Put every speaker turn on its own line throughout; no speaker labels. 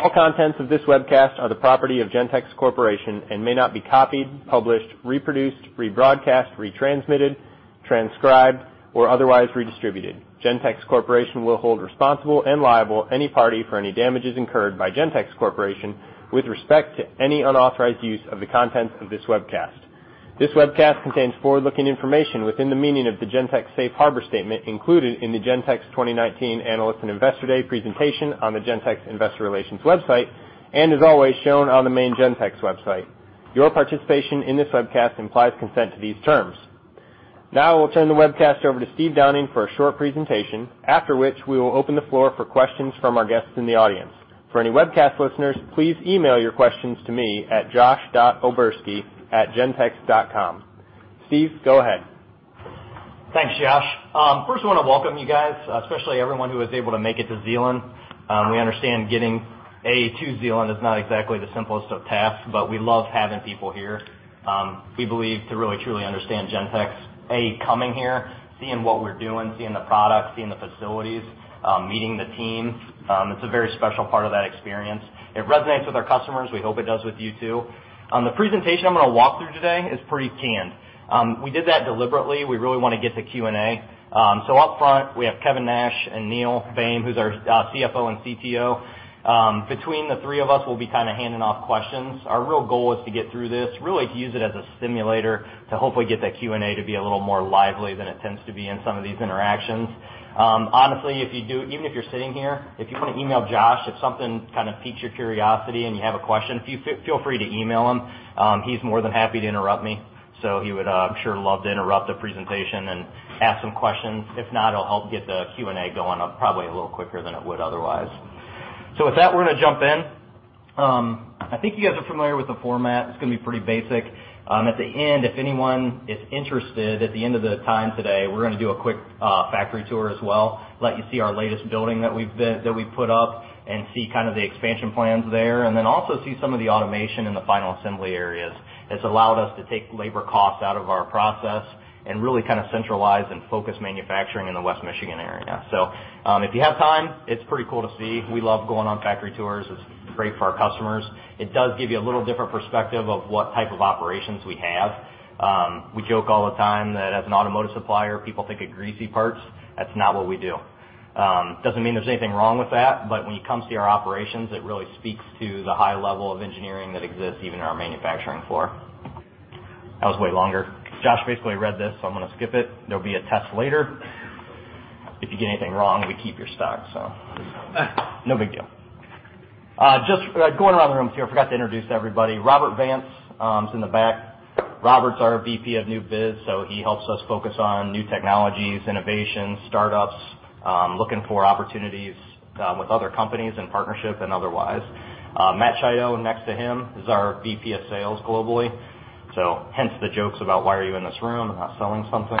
All contents of this webcast are the property of Gentex Corporation and may not be copied, published, reproduced, rebroadcast, retransmitted, transcribed, or otherwise redistributed. Gentex Corporation will hold responsible and liable any party for any damages incurred by Gentex Corporation with respect to any unauthorized use of the contents of this webcast. This webcast contains forward-looking information within the meaning of the Gentex safe harbor statement included in the Gentex 2019 Analyst and Investor Day presentation on the Gentex investor relations website and as always, shown on the main Gentex website. Your participation in this webcast implies consent to these terms. I will turn the webcast over to Steve Downing for a short presentation, after which we will open the floor for questions from our guests in the audience. For any webcast listeners, please email your questions to me at josh.oberski@gentex.com. Steve, go ahead.
Thanks, Josh. First I want to welcome you guys, especially everyone who was able to make it to Zeeland. We understand getting to Zeeland is not exactly the simplest of tasks, we love having people here. We believe to really, truly understand Gentex, coming here, seeing what we're doing, seeing the products, seeing the facilities, meeting the team. It's a very special part of that experience. It resonates with our customers. We hope it does with you, too. The presentation I'm going to walk through today is pretty canned. We did that deliberately. Up front, we have Kevin Nash and Neil Boehm, who's our CFO and CTO. Between the three of us, we'll be kind of handing off questions. Our real goal is to get through this, really to use it as a stimulator to hopefully get that Q&A to be a little more lively than it tends to be in some of these interactions. Honestly, even if you're sitting here, if you want to email Josh, if something kind of piques your curiosity and you have a question, feel free to email him. He's more than happy to interrupt me, he would, I'm sure, love to interrupt a presentation and ask some questions. If not, it'll help get the Q&A going probably a little quicker than it would otherwise. With that, we're going to jump in. I think you guys are familiar with the format. It's going to be pretty basic. At the end, if anyone is interested, at the end of the time today, we're going to do a quick factory tour as well, let you see our latest building that we've put up and see kind of the expansion plans there, and then also see some of the automation in the final assembly areas. It's allowed us to take labor costs out of our process and really kind of centralize and focus manufacturing in the West Michigan area. If you have time, it's pretty cool to see. We love going on factory tours. It's great for our customers. It does give you a little different perspective of what type of operations we have. We joke all the time that as an automotive supplier, people think of greasy parts. That's not what we do. Doesn't mean there's anything wrong with that. When you come see our operations, it really speaks to the high level of engineering that exists even in our manufacturing floor. That was way longer. Josh basically read this. I'm going to skip it. There'll be a test later. If you get anything wrong, we keep your stock. No big deal. Just going around the room here. Forgot to introduce everybody. Robert Vance is in the back. Robert's our VP of new biz. He helps us focus on new technologies, innovations, startups, looking for opportunities with other companies in partnership and otherwise. Matt Chiodo, next to him, is our VP of sales globally. Hence the jokes about why are you in this room and not selling something.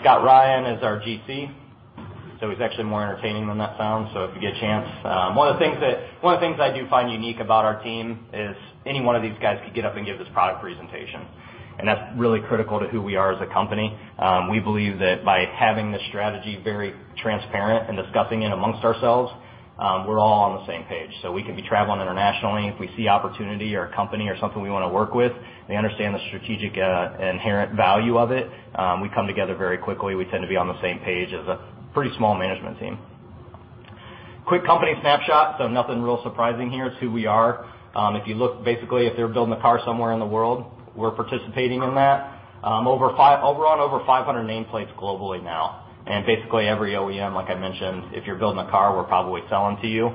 Scott Ryan is our GC. He's actually more entertaining than that sounds. One of the things I do find unique about our team is any one of these guys could get up and give this product presentation, and that's really critical to who we are as a company. We believe that by having this strategy very transparent and discussing it amongst ourselves, we're all on the same page. We could be traveling internationally. If we see opportunity or a company or something we want to work with, they understand the strategic inherent value of it. We come together very quickly. We tend to be on the same page as a pretty small management team. Quick company snapshot, so nothing real surprising here. It's who we are. If you look, basically, if they're building a car somewhere in the world, we're participating in that. We're on over 500 nameplates globally now. Basically every OEM, like I mentioned, if you're building a car, we're probably selling to you.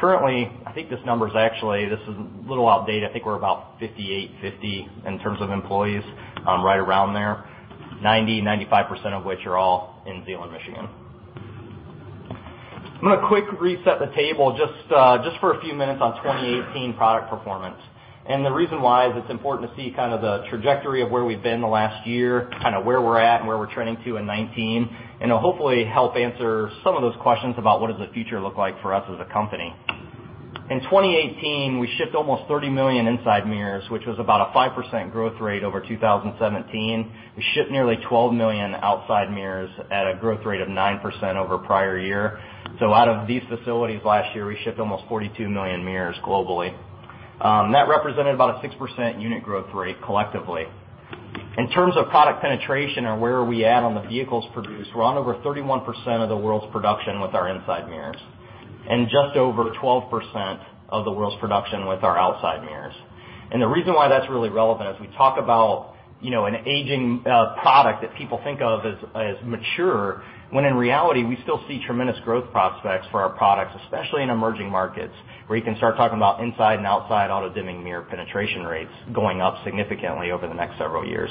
Currently, I think this number's a little outdated. I think we're about 5,850 in terms of employees, right around there. 90%, 95% of which are all in Zeeland, Michigan. I'm gonna quick reset the table just for a few minutes on 2018 product performance. The reason why is it's important to see kind of the trajectory of where we've been the last year, kind of where we're at and where we're trending to in 2019. It'll hopefully help answer some of those questions about what does the future look like for us as a company. In 2018, we shipped almost 30 million inside mirrors, which was about a 5% growth rate over 2017. We shipped nearly 12 million outside mirrors at a growth rate of 9% over prior year. Out of these facilities last year, we shipped almost 42 million mirrors globally. That represented about a 6% unit growth rate collectively. In terms of product penetration or where are we at on the vehicles produced, we're on over 31% of the world's production with our inside mirrors, and just over 12% of the world's production with our outside mirrors. The reason why that's really relevant is we talk about an aging product that people think of as mature, when in reality, we still see tremendous growth prospects for our products, especially in emerging markets, where you can start talking about inside and outside auto-dimming mirror penetration rates going up significantly over the next several years.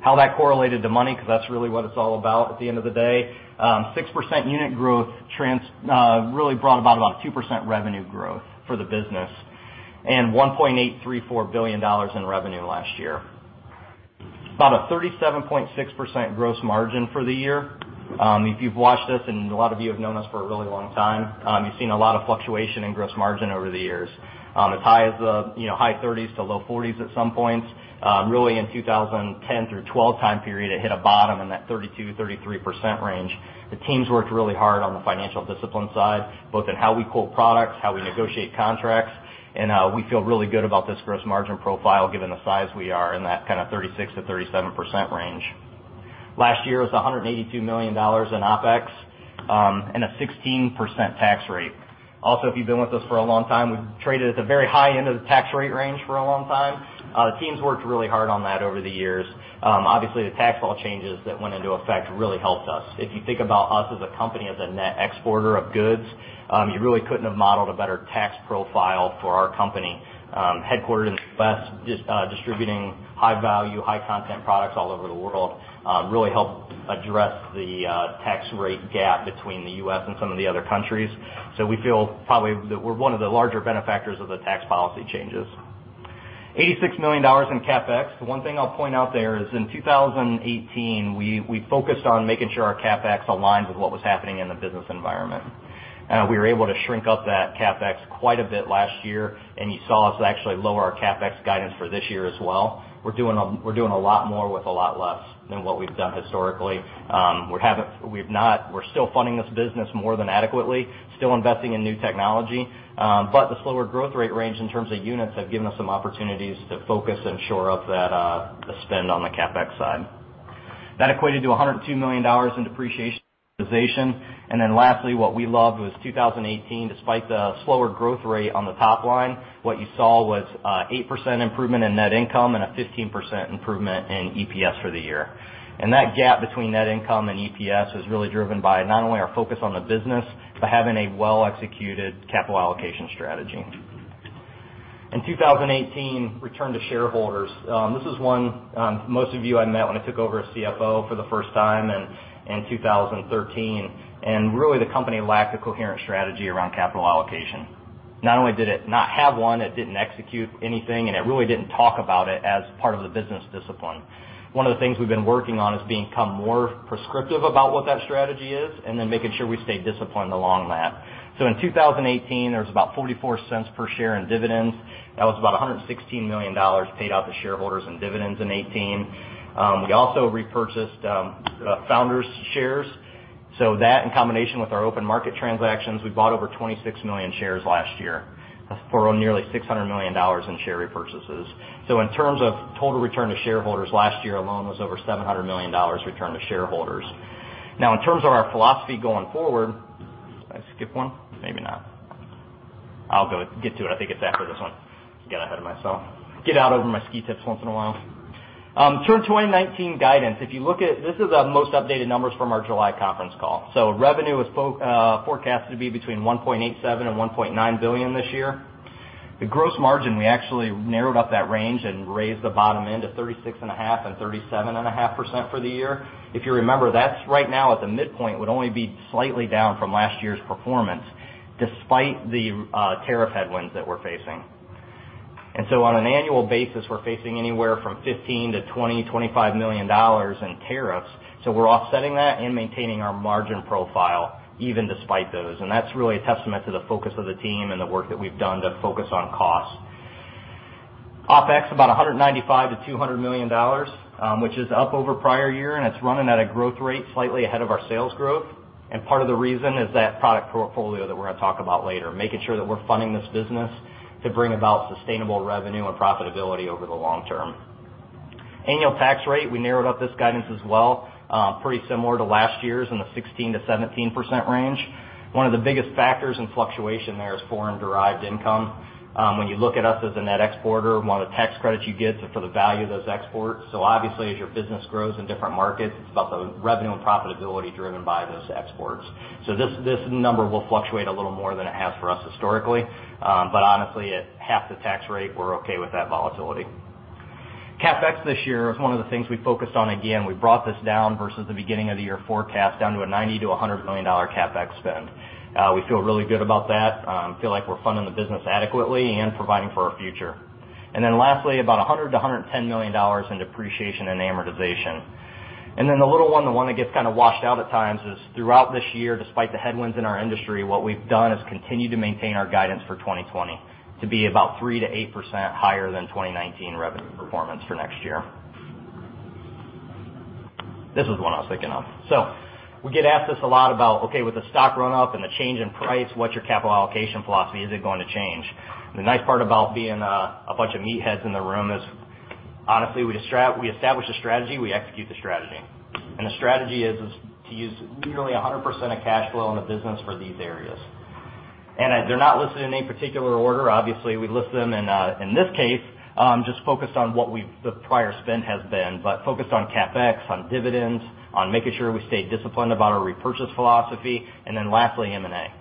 How that correlated to money, because that's really what it's all about at the end of the day. 6% unit growth really brought about a 2% revenue growth for the business and $1.834 billion in revenue last year. About a 37.6% gross margin for the year. If you've watched us, and a lot of you have known us for a really long time, you've seen a lot of fluctuation in gross margin over the years. As high as the high 30s to low 40s at some points. In 2010 through 2012 time period, it hit a bottom in that 32%, 33% range. The teams worked really hard on the financial discipline side, both in how we quote products, how we negotiate contracts. We feel really good about this gross margin profile, given the size we are in that kind of 36%-37% range. Last year was $182 million in OpEx, and a 16% tax rate. Also, if you've been with us for a long time, we've traded at the very high end of the tax rate range for a long time. The teams worked really hard on that over the years. Obviously, the tax law changes that went into effect really helped us. If you think about us as a company as a net exporter of goods, you really couldn't have modeled a better tax profile for our company. Headquartered in the West, distributing high-value, high-content products all over the world, really helped address the tax rate gap between the U.S. and some of the other countries. We feel probably that we're one of the larger benefactors of the tax policy changes. $86 million in CapEx. The one thing I'll point out there is in 2018, we focused on making sure our CapEx aligns with what was happening in the business environment. We were able to shrink up that CapEx quite a bit last year, and you saw us actually lower our CapEx guidance for this year as well. We're doing a lot more with a lot less than what we've done historically. We're still funding this business more than adequately, still investing in new technology. The slower growth rate range in terms of units have given us some opportunities to focus and shore up that spend on the CapEx side. That equated to $102 million in depreciation amortization. Lastly, what we loved was 2018, despite the slower growth rate on the top line, what you saw was 8% improvement in net income and a 15% improvement in EPS for the year. That gap between net income and EPS was really driven by not only our focus on the business, but having a well-executed capital allocation strategy. In 2018, return to shareholders. This is one, most of you I met when I took over as CFO for the first time in 2013, and really, the company lacked a coherent strategy around capital allocation. Not only did it not have one, it didn't execute anything, and it really didn't talk about it as part of the business discipline. One of the things we've been working on is become more prescriptive about what that strategy is, and then making sure we stay disciplined along that. In 2018, there was about $0.44 per share in dividends. That was about $116 million paid out to shareholders in dividends in 2018. We also repurchased founders shares. That, in combination with our open market transactions, we bought over 26 million shares last year for nearly $600 million in share repurchases. In terms of total return to shareholders, last year alone was over $700 million return to shareholders. In terms of our philosophy going forward, did I skip one? Maybe not. I'll get to it. I think it's after this one. Got ahead of myself. Get out over my ski tips once in a while. Turn to 2019 guidance. This is the most updated numbers from our July conference call. Revenue is forecasted to be between $1.87 billion and $1.9 billion this year. The gross margin, we actually narrowed up that range and raised the bottom end to 36.5%-37.5% for the year. If you remember, that's right now at the midpoint, would only be slightly down from last year's performance, despite the tariff headwinds that we're facing. On an annual basis, we're facing anywhere from $15 million-$20 million, $25 million in tariffs. We're offsetting that and maintaining our margin profile even despite those. That's really a testament to the focus of the team and the work that we've done to focus on cost. OpEx, about $195 million-$200 million, which is up over prior year, and it's running at a growth rate slightly ahead of our sales growth. Part of the reason is that product portfolio that we're going to talk about later, making sure that we're funding this business to bring about sustainable revenue and profitability over the long term. Annual tax rate, we narrowed up this guidance as well, pretty similar to last year's in the 16%-17% range. One of the biggest factors in fluctuation there is foreign-derived income. When you look at us as a net exporter, one of the tax credits you get for the value of those exports. Obviously, as your business grows in different markets, it's about the revenue and profitability driven by those exports. This number will fluctuate a little more than it has for us historically. Honestly, at half the tax rate, we're okay with that volatility. CapEx this year is one of the things we focused on. Again, we brought this down versus the beginning of the year forecast down to a $90 million-$100 million CapEx spend. We feel really good about that. Feel like we're funding the business adequately and providing for our future. Lastly, about $100 million-$110 million in depreciation and amortization. The little one, the one that gets kind of washed out at times, is throughout this year, despite the headwinds in our industry, what we've done is continue to maintain our guidance for 2020 to be about 3%-8% higher than 2019 revenue performance for next year. This is the one I was thinking of. We get asked this a lot about, okay, with the stock run up and the change in price, what's your capital allocation philosophy? Is it going to change? The nice part about being a bunch of meatheads in the room is, honestly, we establish a strategy, we execute the strategy. The strategy is to use nearly 100% of cash flow in the business for these areas. They're not listed in any particular order. Obviously, we list them in this case, just focused on what the prior spend has been. Focused on CapEx, on dividends, on making sure we stay disciplined about our repurchase philosophy, and then lastly, M&A.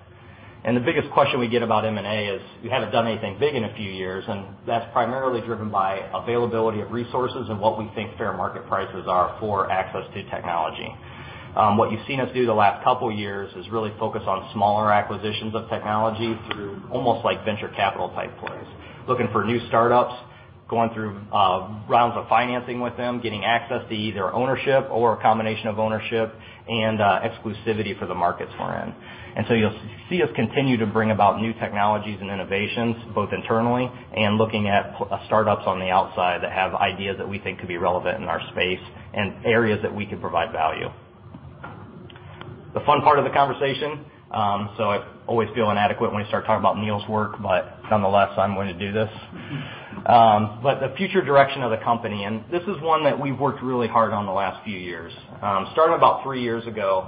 The biggest question we get about M&A is we haven't done anything big in a few years, and that's primarily driven by availability of resources and what we think fair market prices are for access to technology. What you've seen us do the last couple years is really focus on smaller acquisitions of technology through almost like venture capital type plays, looking for new startups, going through rounds of financing with them, getting access to either ownership or a combination of ownership and exclusivity for the markets we're in. You'll see us continue to bring about new technologies and innovations, both internally and looking at startups on the outside that have ideas that we think could be relevant in our space and areas that we could provide value. The fun part of the conversation, so I always feel inadequate when we start talking about Neil's work, but nonetheless, I'm going to do this. The future direction of the company, and this is one that we've worked really hard on the last few years. Starting about three years ago,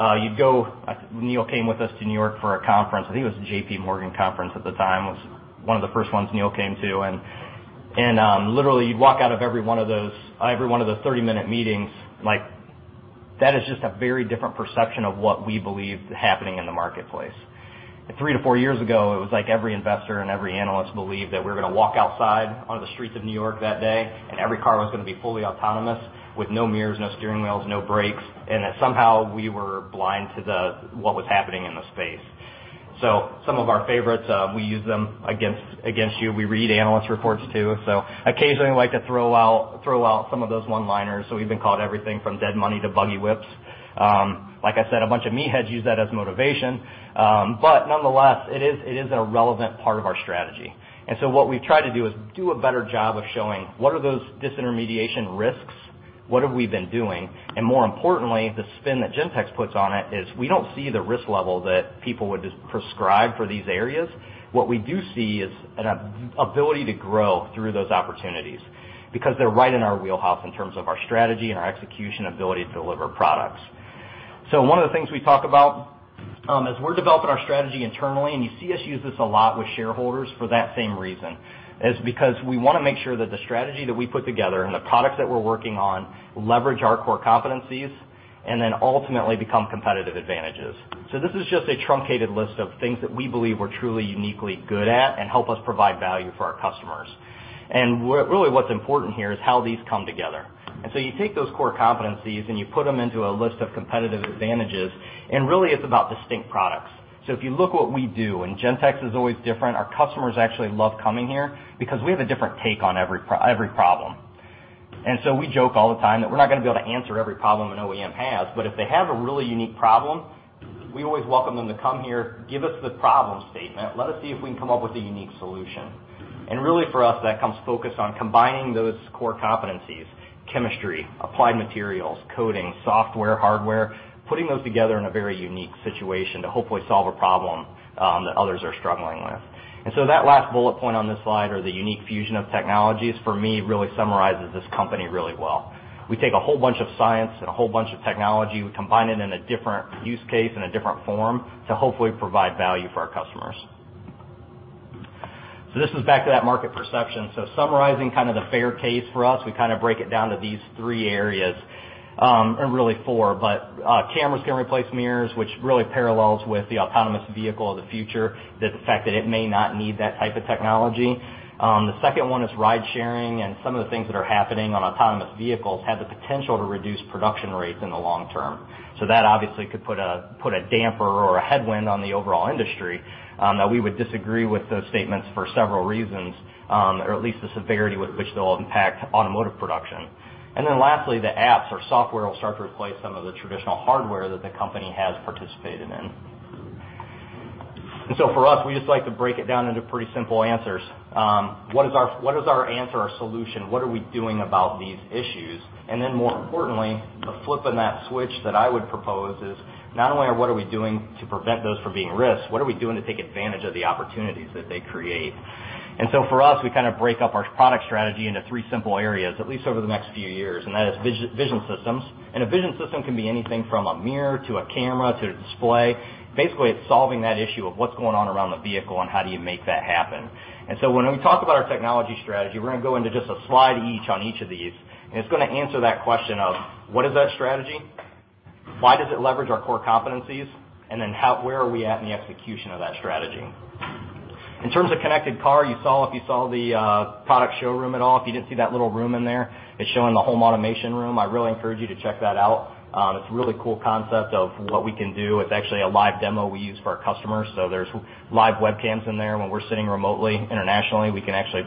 Neil came with us to New York for a conference. I think it was a JPMorgan conference at the time, was one of the first ones Neil came to. Literally, you'd walk out of every one of those 30-minute meetings, like that is just a very different perception of what we believe is happening in the marketplace. Three to four years ago, it was like every investor and every analyst believed that we were going to walk outside onto the streets of New York that day, and every car was going to be fully autonomous with no mirrors, no steering wheels, no brakes, and that somehow we were blind to what was happening in the space. Some of our favorites, we use them against you. We read analyst reports, too. Occasionally, I like to throw out some of those one-liners. We've been called everything from dead money to buggy whips. Like I said, a bunch of meatheads use that as motivation. Nonetheless, it is a relevant part of our strategy. What we've tried to do is do a better job of showing what are those disintermediation risks, what have we been doing, and more importantly, the spin that Gentex puts on it is we don't see the risk level that people would prescribe for these areas. What we do see is an ability to grow through those opportunities because they're right in our wheelhouse in terms of our strategy and our execution ability to deliver products. One of the things we talk about as we're developing our strategy internally, and you see us use this a lot with shareholders for that same reason, is because we want to make sure that the strategy that we put together and the products that we're working on leverage our core competencies and then ultimately become competitive advantages. This is just a truncated list of things that we believe we're truly uniquely good at and help us provide value for our customers. Really, what's important here is how these come together. You take those core competencies and you put them into a list of competitive advantages, and really it's about distinct products. If you look what we do, and Gentex is always different. Our customers actually love coming here because we have a different take on every problem. We joke all the time that we're not going to be able to answer every problem an OEM has, but if they have a really unique problem, we always welcome them to come here, give us the problem statement, let us see if we can come up with a unique solution. Really for us, that comes focused on combining those core competencies, chemistry, applied materials, coding, software, hardware, putting those together in a very unique situation to hopefully solve a problem that others are struggling with. That last bullet point on this slide, or the unique fusion of technologies, for me, really summarizes this company really well. We take a whole bunch of science and a whole bunch of technology, we combine it in a different use case and a different form to hopefully provide value for our customers. This is back to that market perception. Summarizing kind of the fair case for us, we kind of break it down to these three areas, and really four. Cameras can replace mirrors, which really parallels with the autonomous vehicle of the future, the fact that it may not need that type of technology. The second one is ride-sharing, and some of the things that are happening on autonomous vehicles have the potential to reduce production rates in the long term. That obviously could put a damper or a headwind on the overall industry. Now, we would disagree with those statements for several reasons, or at least the severity with which they'll impact automotive production. Then lastly, the apps or software will start to replace some of the traditional hardware that the company has participated in. For us, we just like to break it down into pretty simple answers. What is our answer, our solution? What are we doing about these issues? More importantly, the flip in that switch that I would propose is not only what are we doing to prevent those from being risks, what are we doing to take advantage of the opportunities that they create? For us, we kind of break up our product strategy into three simple areas, at least over the next few years, and that is vision systems. A vision system can be anything from a mirror to a camera to a display. Basically, it's solving that issue of what's going on around the vehicle and how do you make that happen. When we talk about our technology strategy, we're going to go into just a slide each on each of these, and it's going to answer that question of what is that strategy? Why does it leverage our core competencies? Then where are we at in the execution of that strategy? In terms of connected car, you saw if you saw the product showroom at all. If you didn't see that little room in there, it's showing the home automation room. I really encourage you to check that out. It's a really cool concept of what we can do. It's actually a live demo we use for our customers. There's live webcams in there. When we're sitting remotely, internationally, we can actually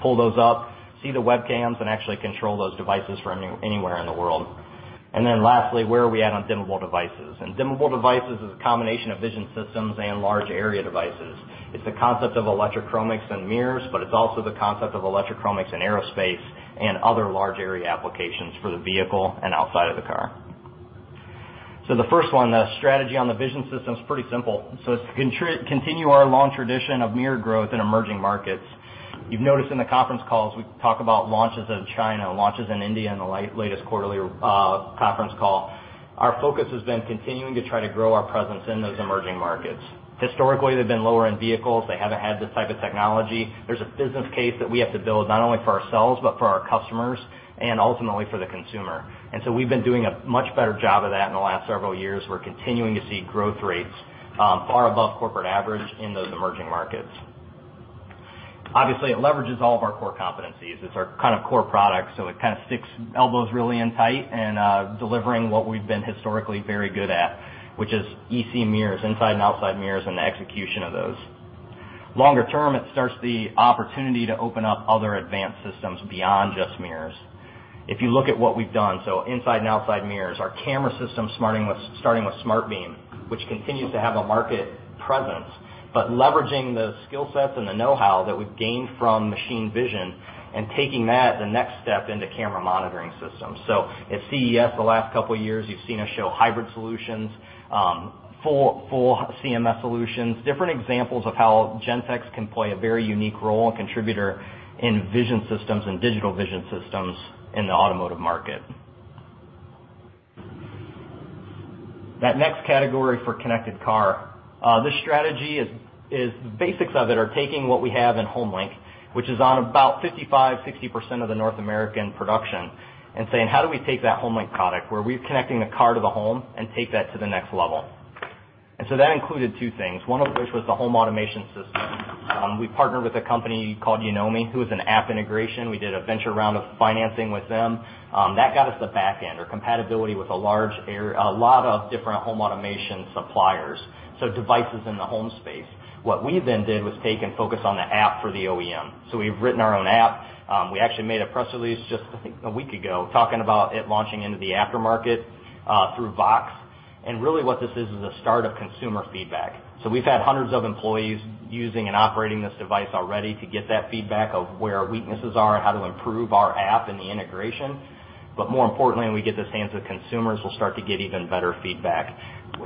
pull those up, see the webcams, and actually control those devices from anywhere in the world. Lastly, where are we at on dimmable devices? Dimmable devices is a combination of vision systems and large area devices. It's the concept of electrochromics and mirrors, but it's also the concept of electrochromics in aerospace and other large area applications for the vehicle and outside of the car. The first one, the strategy on the vision system is pretty simple. It's to continue our long tradition of mirror growth in emerging markets. You've noticed in the conference calls, we talk about launches in China, launches in India in the latest quarterly conference call. Our focus has been continuing to try to grow our presence in those emerging markets. Historically, they've been lower-end vehicles. They haven't had this type of technology. There's a business case that we have to build, not only for ourselves, but for our customers and ultimately for the consumer. We've been doing a much better job of that in the last several years. We're continuing to see growth rates far above corporate average in those emerging markets. Obviously, it leverages all of our core competencies. It's our kind of core product, so it kind of sticks elbows really in tight in delivering what we've been historically very good at, which is EC mirrors, inside and outside mirrors, and the execution of those. Longer term, it starts the opportunity to open up other advanced systems beyond just mirrors. If you look at what we've done, inside and outside mirrors, our camera system starting with SmartBeam, which continues to have a market presence, but leveraging the skill sets and the know-how that we've gained from machine vision and taking that the next step into camera monitoring systems. At CES the last couple of years, you've seen us show hybrid solutions, full CMS solutions, different examples of how Gentex can play a very unique role and contributor in vision systems and digital vision systems in the automotive market. That next category for connected car. This strategy, the basics of it are taking what we have in HomeLink, which is on about 55%, 60% of the North American production, and saying, how do we take that HomeLink product, where we're connecting the car to the home, and take that to the next level? That included two things, one of which was the home automation system. We partnered with a company called Yonomi, who is an app integration. We did a venture round of financing with them. That got us the back end or compatibility with a lot of different home automation suppliers, so devices in the home space. What we then did was take and focus on the app for the OEM. We've written our own app. We actually made a press release just, I think, a week ago, talking about it launching into the aftermarket through VOXX. Really what this is a start of consumer feedback. We've had hundreds of employees using and operating this device already to get that feedback of where our weaknesses are and how to improve our app and the integration. More importantly, when we get this into the consumers, we'll start to get even better feedback.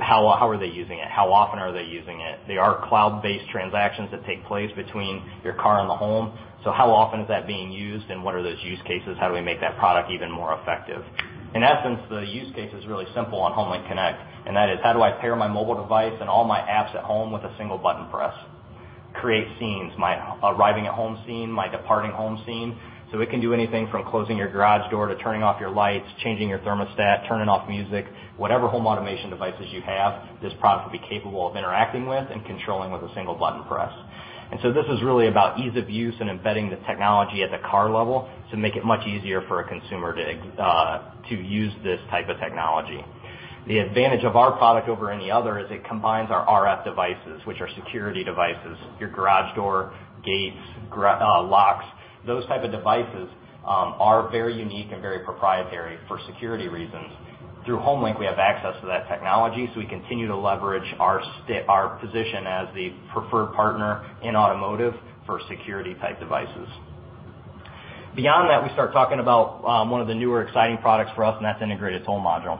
How are they using it? How often are they using it? They are cloud-based transactions that take place between your car and the home. How often is that being used and what are those use cases? How do we make that product even more effective? In essence, the use case is really simple on HomeLink Connect, and that is how do I pair my mobile device and all my apps at home with a single button press? Create scenes, my arriving at home scene, my departing home scene. It can do anything from closing your garage door to turning off your lights, changing your thermostat, turning off music, whatever home automation devices you have, this product will be capable of interacting with and controlling with a single button press. This is really about ease of use and embedding the technology at the car level to make it much easier for a consumer to use this type of technology. The advantage of our product over any other is it combines our RF devices, which are security devices, your garage door, gates, locks. Those type of devices are very unique and very proprietary for security reasons. Through HomeLink, we have access to that technology, so we continue to leverage our position as the preferred partner in automotive for security type devices. Beyond that, we start talking about one of the newer exciting products for us, and that's Integrated Toll Module.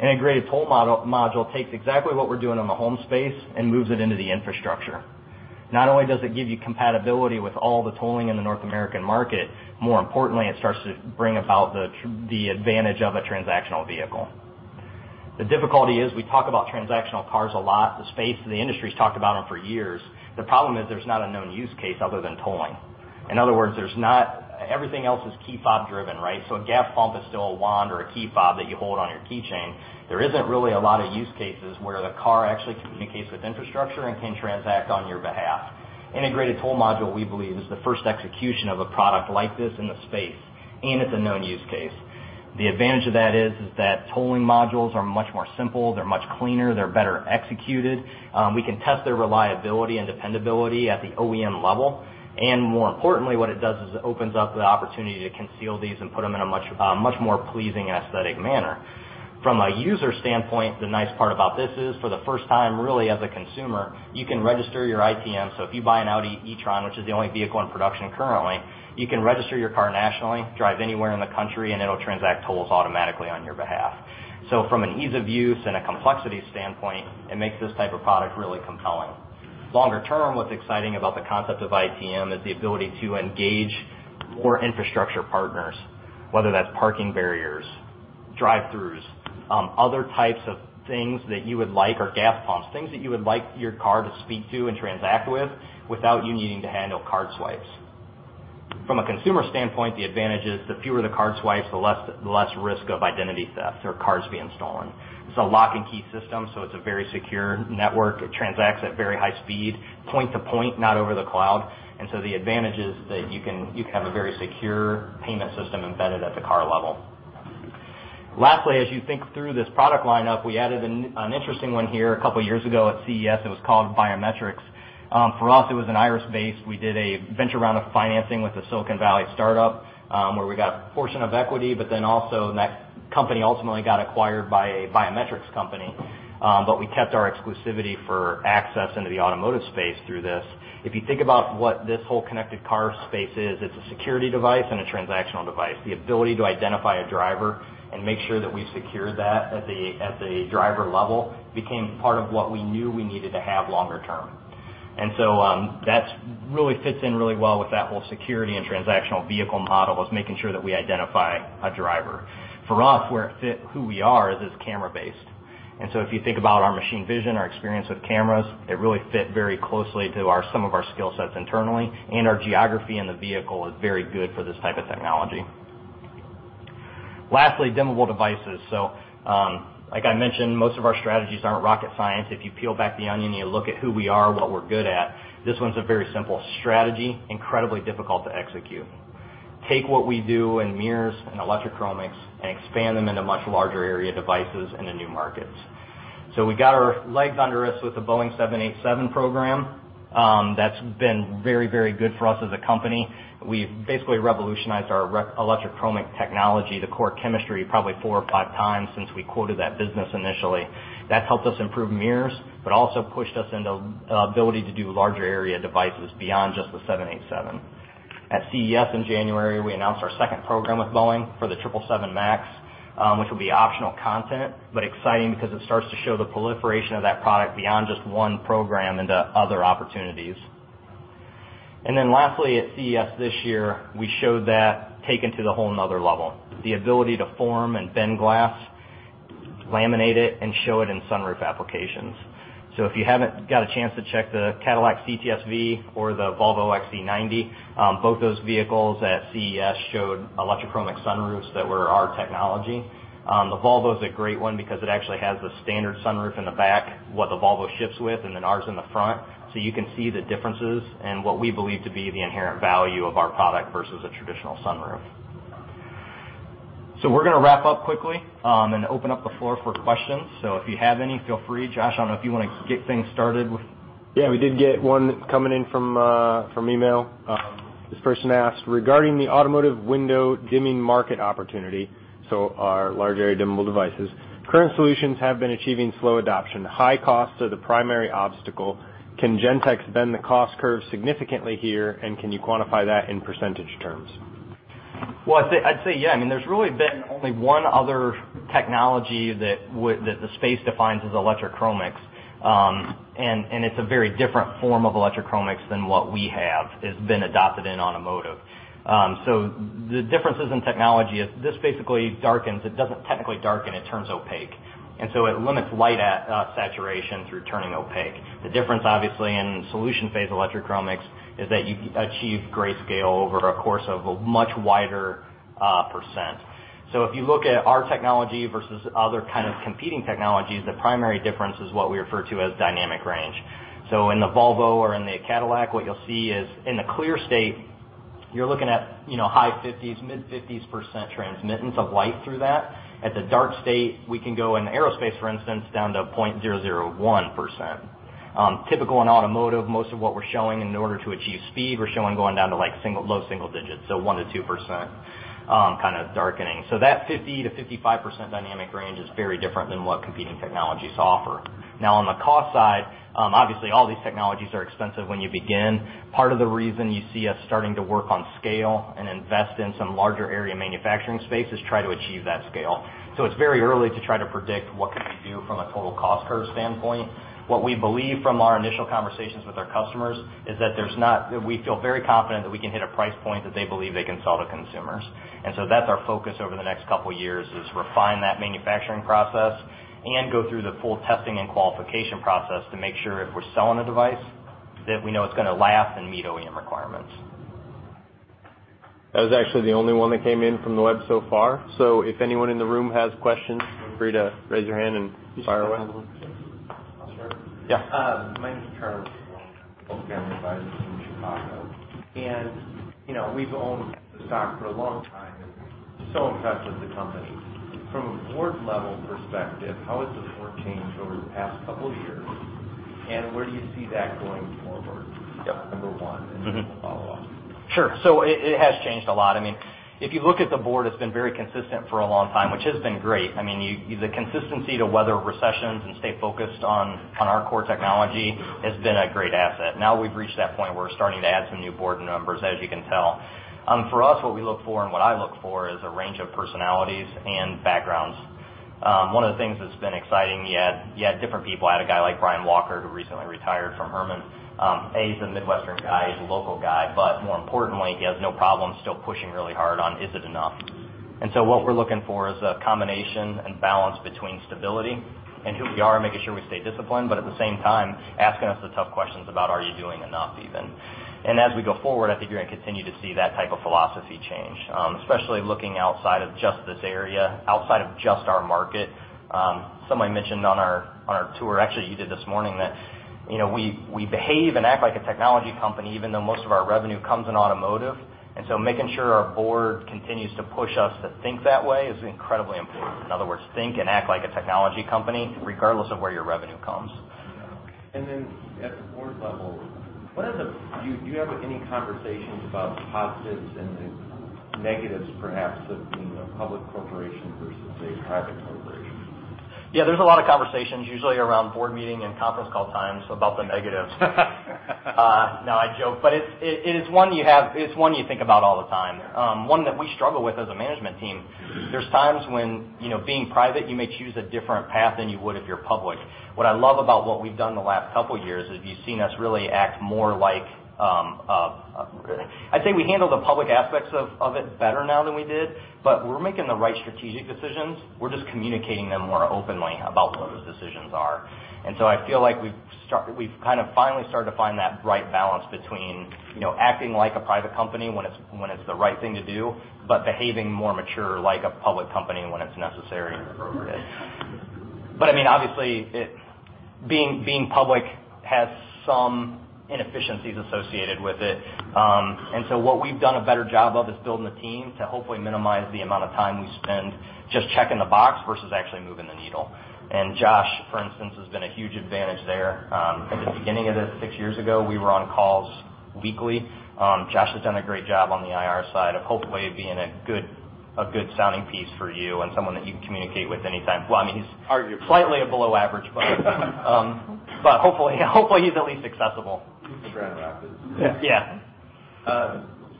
Integrated Toll Module takes exactly what we're doing on the home space and moves it into the infrastructure. Not only does it give you compatibility with all the tolling in the North American market, more importantly, it starts to bring about the advantage of a transactional vehicle. The difficulty is we talk about transactional cars a lot, the space, the industry's talked about them for years. The problem is there's not a known use case other than tolling. Everything else is key fob driven, right? A gas pump is still a wand or a key fob that you hold on your keychain. There isn't really a lot of use cases where the car actually communicates with infrastructure and can transact on your behalf. Integrated Toll Module, we believe, is the first execution of a product like this in the space, and it's a known use case. The advantage of that is that tolling modules are much more simple, they're much cleaner, they're better executed. We can test their reliability and dependability at the OEM level. More importantly, what it does is it opens up the opportunity to conceal these and put them in a much more pleasing and aesthetic manner. From a user standpoint, the nice part about this is, for the first time, really, as a consumer, you can register your ITM. If you buy an Audi e-tron, which is the only vehicle in production currently, you can register your car nationally, drive anywhere in the country, and it'll transact tolls automatically on your behalf. From an ease of use and a complexity standpoint, it makes this type of product really compelling. Longer term, what's exciting about the concept of ITM is the ability to engage more infrastructure partners, whether that's parking barriers, drive-throughs, other types of things that you would like, or gas pumps, things that you would like your car to speak to and transact with without you needing to handle card swipes. From a consumer standpoint, the advantage is the fewer the card swipes, the less risk of identity theft or cards being stolen. It's a lock and key system, so it's a very secure network. It transacts at very high speed, point to point, not over the cloud. The advantage is that you can have a very secure payment system embedded at the car level. Lastly, as you think through this product lineup, we added an interesting one here a couple of years ago at CES. It was called Biometrics. For us, it was an iris-based. We did a venture round of financing with a Silicon Valley startup, where we got a portion of equity, but then also that company ultimately got acquired by a biometrics company. We kept our exclusivity for access into the automotive space through this. If you think about what this whole connected car space is, it's a security device and a transactional device. The ability to identify a driver and make sure that we've secured that at the driver level became part of what we knew we needed to have longer term. That really fits in really well with that whole security and transactional vehicle model, is making sure that we identify a driver. For us, who we are is camera-based. If you think about our machine vision, our experience with cameras, it really fit very closely to some of our skill sets internally, and our geography in the vehicle is very good for this type of technology. Lastly, dimmable devices. Like I mentioned, most of our strategies aren't rocket science. If you peel back the onion and you look at who we are, what we're good at, this one's a very simple strategy, incredibly difficult to execute. Take what we do in mirrors and electrochromics and expand them into much larger area devices and to new markets. We got our legs under us with the Boeing 787 program. That's been very, very good for us as a company. We've basically revolutionized our electrochromic technology, the core chemistry, probably four or five times since we quoted that business initially. That's helped us improve mirrors, but also pushed us into ability to do larger area devices beyond just the 787. At CES in January, we announced our second program with Boeing for the 777X, which will be optional content, but exciting because it starts to show the proliferation of that product beyond just one program into other opportunities. Lastly, at CES this year, we showed that taken to the whole another level, the ability to form and bend glass, laminate it, and show it in sunroof applications. If you haven't got a chance to check the Cadillac CTS-V or the Volvo XC90, both those vehicles at CES showed electrochromic sunroofs that were our technology. The Volvo is a great one because it actually has the standard sunroof in the back, what the Volvo ships with, and then ours in the front. You can see the differences and what we believe to be the inherent value of our product versus a traditional sunroof. We're going to wrap up quickly and open up the floor for questions. If you have any, feel free. Josh, I don't know if you want to get things started with.
We did get one coming in from email. This person asked, "Regarding the automotive window dimming market opportunity," so our large area dimmable devices, "current solutions have been achieving slow adoption. High costs are the primary obstacle. Can Gentex bend the cost curve significantly here, and can you quantify that in percentage terms?
I'd say yeah. There's really been only one other technology that the space defines as electrochromics. It's a very different form of electrochromics than what we have, has been adopted in automotive. The differences in technology is this basically darkens. It doesn't technically darken, it turns opaque. It limits light saturation through turning opaque. The difference, obviously, in solution phase electrochromics is that you achieve grayscale over a course of a much wider %. If you look at our technology versus other kind of competing technologies, the primary difference is what we refer to as dynamic range. In the Volvo or in the Cadillac, what you'll see is in the clear state, you're looking at high 50s, mid-50s % transmittance of light through that. At the dark state, we can go in aerospace, for instance, down to 0.001%. Typical in automotive, most of what we're showing in order to achieve speed, we're showing going down to low single digits, so 1%-2% kind of darkening. That 50%-55% dynamic range is very different than what competing technologies offer. Now, on the cost side, obviously all these technologies are expensive when you begin. Part of the reason you see us starting to work on scale and invest in some larger area manufacturing space is try to achieve that scale. It's very early to try to predict what could we do from a total cost curve standpoint. What we believe from our initial conversations with our customers is that we feel very confident that we can hit a price point that they believe they can sell to consumers. That's our focus over the next couple of years is refine that manufacturing process and go through the full testing and qualification process to make sure if we're selling a device, that we know it's going to last and meet OEM requirements.
That was actually the only one that came in from the web so far. If anyone in the room has questions, feel free to raise your hand and fire away.
I'll start.
Yeah.
My name is Charles Malone. I'm with Oak Street Advisors in Chicago. We've owned the stock for a long time and so impressed with the company. From a board level perspective, how has this board changed over the past couple of years, and where do you see that going forward? Step number 1. Then we'll follow up.
Sure. It has changed a lot. If you look at the board, it's been very consistent for a long time, which has been great. The consistency to weather recessions and stay focused on our core technology has been a great asset. Now we've reached that point where we're starting to add some new board members, as you can tell. For us, what we look for and what I look for is a range of personalities and backgrounds. One of the things that's been exciting, you add different people. I had a guy like Brian Walker, who recently retired from Herman Miller. He's a Midwestern guy, he's a local guy, but more importantly, he has no problem still pushing really hard on, is it enough? What we're looking for is a combination and balance between stability and who we are and making sure we stay disciplined, but at the same time, asking us the tough questions about are you doing enough, even. As we go forward, I figure you're going to continue to see that type of philosophy change, especially looking outside of just this area, outside of just our market. Somebody mentioned on our tour, actually, you did this morning that we behave and act like a technology company, even though most of our revenue comes in automotive. Making sure our board continues to push us to think that way is incredibly important. In other words, think and act like a technology company, regardless of where your revenue comes.
At the board level, do you have any conversations about the positives and the negatives, perhaps, of being a public corporation versus a private corporation?
Yeah, there's a lot of conversations, usually around board meeting and conference call time, about the negatives. No, I joke, it is one you think about all the time. One that we struggle with as a management team. There's times when being private, you may choose a different path than you would if you're public. What I love about what we've done the last couple years is you've seen us really I'd say we handle the public aspects of it better now than we did, we're making the right strategic decisions. We're just communicating them more openly about what those decisions are. I feel like we've kind of finally started to find that right balance between acting like a private company when it's the right thing to do, behaving more mature like a public company when it's necessary.
Appropriate.
Obviously, it being public has some inefficiencies associated with it. What we've done a better job of is building the team to hopefully minimize the amount of time we spend just checking the box versus actually moving the needle. Josh, for instance, has been a huge advantage there. At the beginning of this, six years ago, we were on calls weekly. Josh has done a great job on the IR side of hopefully being a good sounding piece for you and someone that you can communicate with anytime.
Arguably.
Slightly below average, but hopefully he's at least accessible.
Fair enough.
Yeah.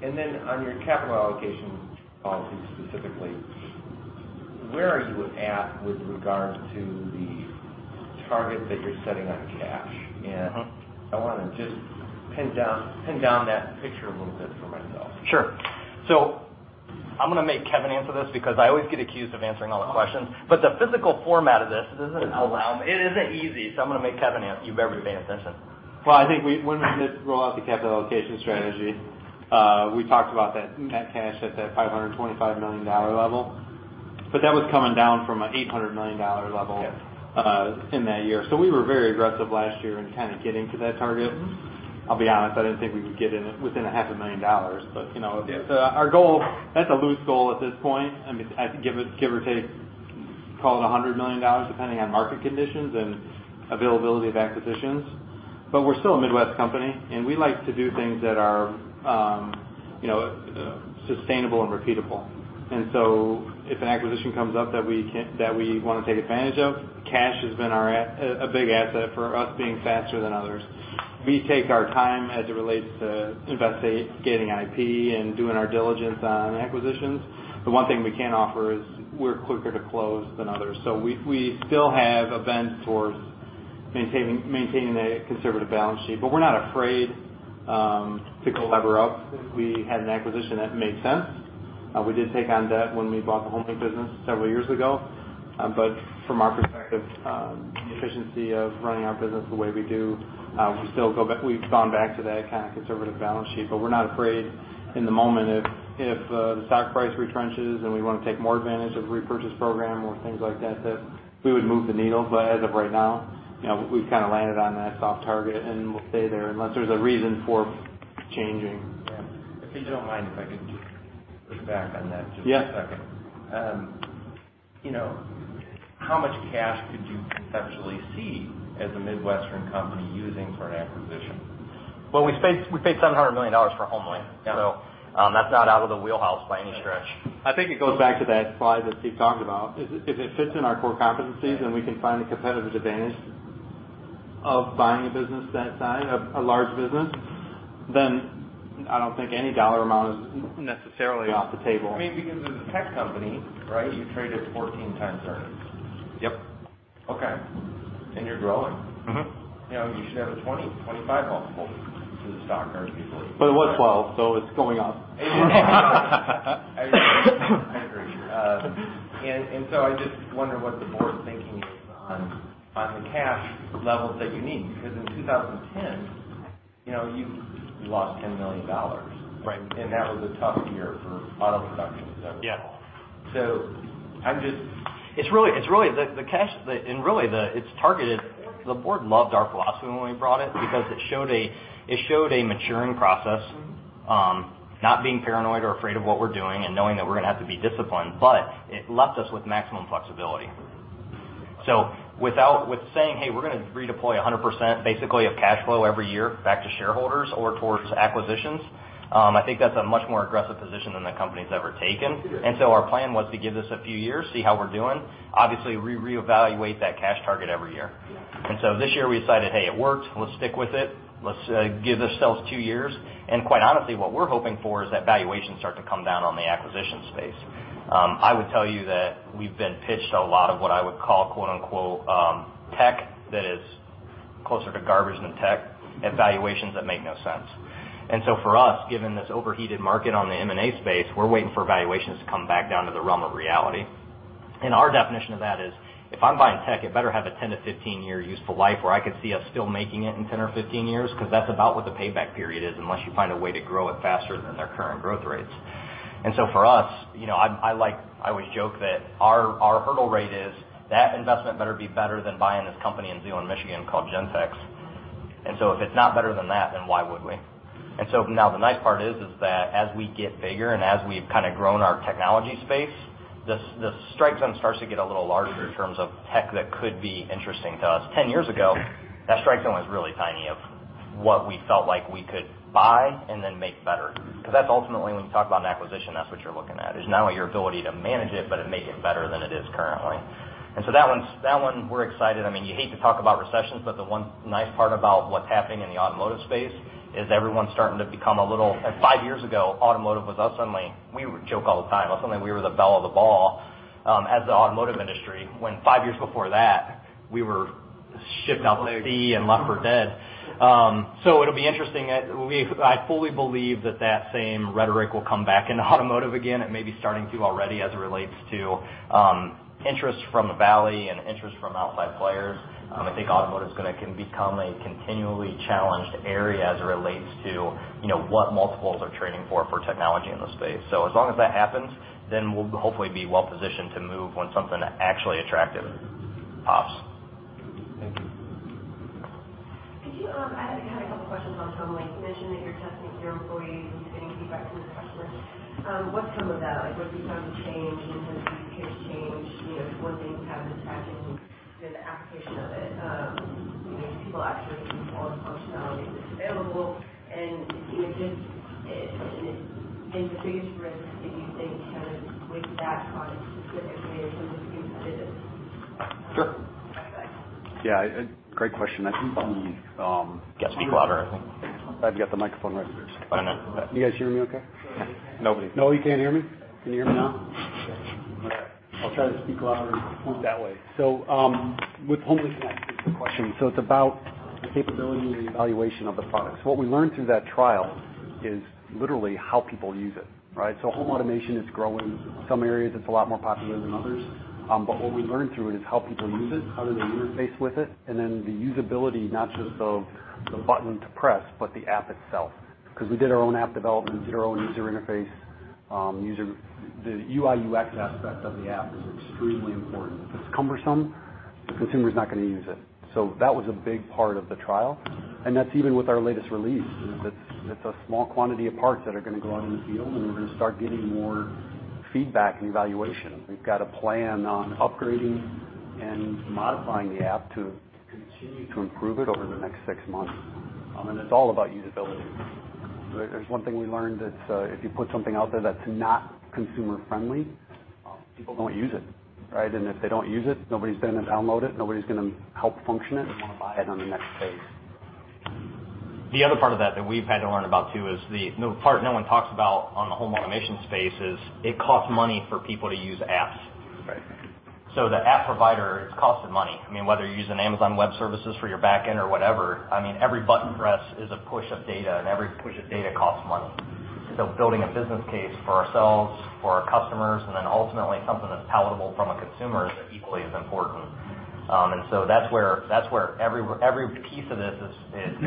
On your capital allocation policy, specifically, where are you at with regard to the target that you're setting on cash? I want to just pin down that picture a little bit for myself.
Sure. I'm going to make Kevin answer this because I always get accused of answering all the questions, but the physical format of this doesn't allow me. It isn't easy, I'm going to make Kevin answer. You better be paying attention.
Well, I think when we did roll out the capital allocation strategy, we talked about that cash at that $525 million level. That was coming down from an $800 million level.
Yes
in that year. We were very aggressive last year in getting to that target. I'll be honest, I didn't think we could get in within a half a million dollars. Our goal, that's a loose goal at this point. Give or take, call it $100 million, depending on market conditions and availability of acquisitions. We're still a Midwest company, and we like to do things that are sustainable and repeatable. If an acquisition comes up that we want to take advantage of, cash has been a big asset for us being faster than others. We take our time as it relates to investigating IP and doing our diligence on acquisitions. The one thing we can offer is we're quicker to close than others. We still have a bent towards maintaining a conservative balance sheet. We're not afraid to lever up if we had an acquisition that made sense. We did take on debt when we bought the HomeLink business several years ago. From our perspective, the efficiency of running our business the way we do, we've gone back to that kind of conservative balance sheet. We're not afraid in the moment if the stock price retrenches and we want to take more advantage of the repurchase program or things like that we would move the needle. As of right now, we've landed on that soft target, and we'll stay there unless there's a reason for changing.
Yeah. If you don't mind, if I can just push back on that just a second.
Yeah.
How much cash could you conceptually see as a Midwestern company using for an acquisition?
Well, we paid $700 million for HomeLink.
Yeah.
That's not out of the wheelhouse by any stretch.
I think it goes back to that slide that Steve talked about. If it fits in our core competencies and we can find the competitive advantage of buying a business that size, a large business, then I don't think any dollar amount is necessarily off the table. As a tech company, right, you trade at 14 times earnings.
Yep.
Okay. You're growing.
You should have a 20, 25 multiple to the stock earnings.
It was 12, so it's going up.
It is going up. I agree. I just wonder what the board's thinking is on the cash levels that you need. In 2010, you lost $10 million.
Right.
That was a tough year for auto production as a whole. Yeah. So I'm just- It's really targeted. The board loved our philosophy when we brought it because it showed a maturing process. Not being paranoid or afraid of what we're doing and knowing that we're going to have to be disciplined, but it left us with maximum flexibility. With saying, "Hey, we're going to redeploy 100% basically of cash flow every year back to shareholders or towards acquisitions," I think that's a much more aggressive position than the company's ever taken.
Sure.
Our plan was to give this a few years, see how we're doing. Obviously, we reevaluate that cash target every year.
Yeah.
This year, we decided, hey, it worked. Let's stick with it. Let's give this ourselves two years. Quite honestly, what we're hoping for is that valuations start to come down on the acquisition space. I would tell you that we've been pitched a lot of what I would call, quote-unquote, "tech" that is closer to garbage than tech at valuations that make no sense. For us, given this overheated market on the M&A space, we're waiting for valuations to come back down to the realm of reality. Our definition of that is, if I'm buying tech, it better have a 10-15 year useful life where I could see us still making it in 10 or 15 years, because that's about what the payback period is unless you find a way to grow it faster than their current growth rates. For us, I always joke that our hurdle rate is that investment better be better than buying this company in Zeeland, Michigan, called Gentex. If it's not better than that, then why would we? Now the nice part is that as we get bigger and as we've kind of grown our technology space, the strike zone starts to get a little larger in terms of tech that could be interesting to us. 10 years ago, that strike zone was really tiny of what we felt like we could buy and then make better. Because that's ultimately, when you talk about an acquisition, that's what you're looking at, is not only your ability to manage it, but to make it better than it is currently. That one we're excited. You hate to talk about recessions. The one nice part about what's happening in the automotive space is everyone's starting to become a little. Five years ago, automotive was suddenly, we would joke all the time, suddenly we were the belle of the ball as the automotive industry, when five years before that, we were shipped out to sea and left for dead. It'll be interesting. I fully believe that that same rhetoric will come back into automotive again. It may be starting to already as it relates to interest from the Valley and interest from outside players. I think automotive is going to become a continually challenged area as it relates to what multiples are trading for technology in the space. As long as that happens, we'll hopefully be well-positioned to move when something actually attractive pops.
Thank you.
I had a couple questions on some, like you mentioned that you're testing with your employees and getting feedback from the customers. What's come of that? Like, what have you found to change in terms of the case change? If one thing you have is patching, then the application of it. Do people actually use all the functionalities available? I guess, in the biggest risks that you think kind of with that product to the OEM, some of the things that it is.
Sure.
Thanks.
Yeah, great question.
You got to speak louder, I think.
I've got the microphone right here.
I know.
You guys hear me okay?
Nobody.
No, you can't hear me? Can you hear me now?
Yes.
I'll try to speak louder and point that way. With HomeLink, that's a good question. It's about the capability and the evaluation of the product. What we learned through that trial is literally how people use it, right? Home automation is growing. Some areas, it's a lot more popular than others. What we learned through it is how people use it, how do they interface with it, and then the usability, not just of the button to press, but the app itself. We did our own app development, we did our own user interface. The UI/UX aspect of the app is extremely important. If it's cumbersome, the consumer's not going to use it. That was a big part of the trial, and that's even with our latest release, is it's a small quantity of parts that are going to go out in the field, and we're going to start getting more feedback and evaluation. We've got a plan on upgrading and modifying the app to continue to improve it over the next six months. It's all about usability. There's one thing we learned, it's if you put something out there that's not consumer friendly, people don't use it, right? If they don't use it, nobody's going to download it, nobody's going to help function it, and want to buy it on the next phase.
The other part of that we've had to learn about too, is the part no one talks about on the home automation space is, it costs money for people to use apps.
Right.
The app provider, it's cost of money. Whether you're using Amazon Web Services for your back end or whatever, every button press is a push of data, and every push of data costs money. Building a business case for ourselves, for our customers, and then ultimately something that's palatable from a consumer is equally as important. That's where every piece of this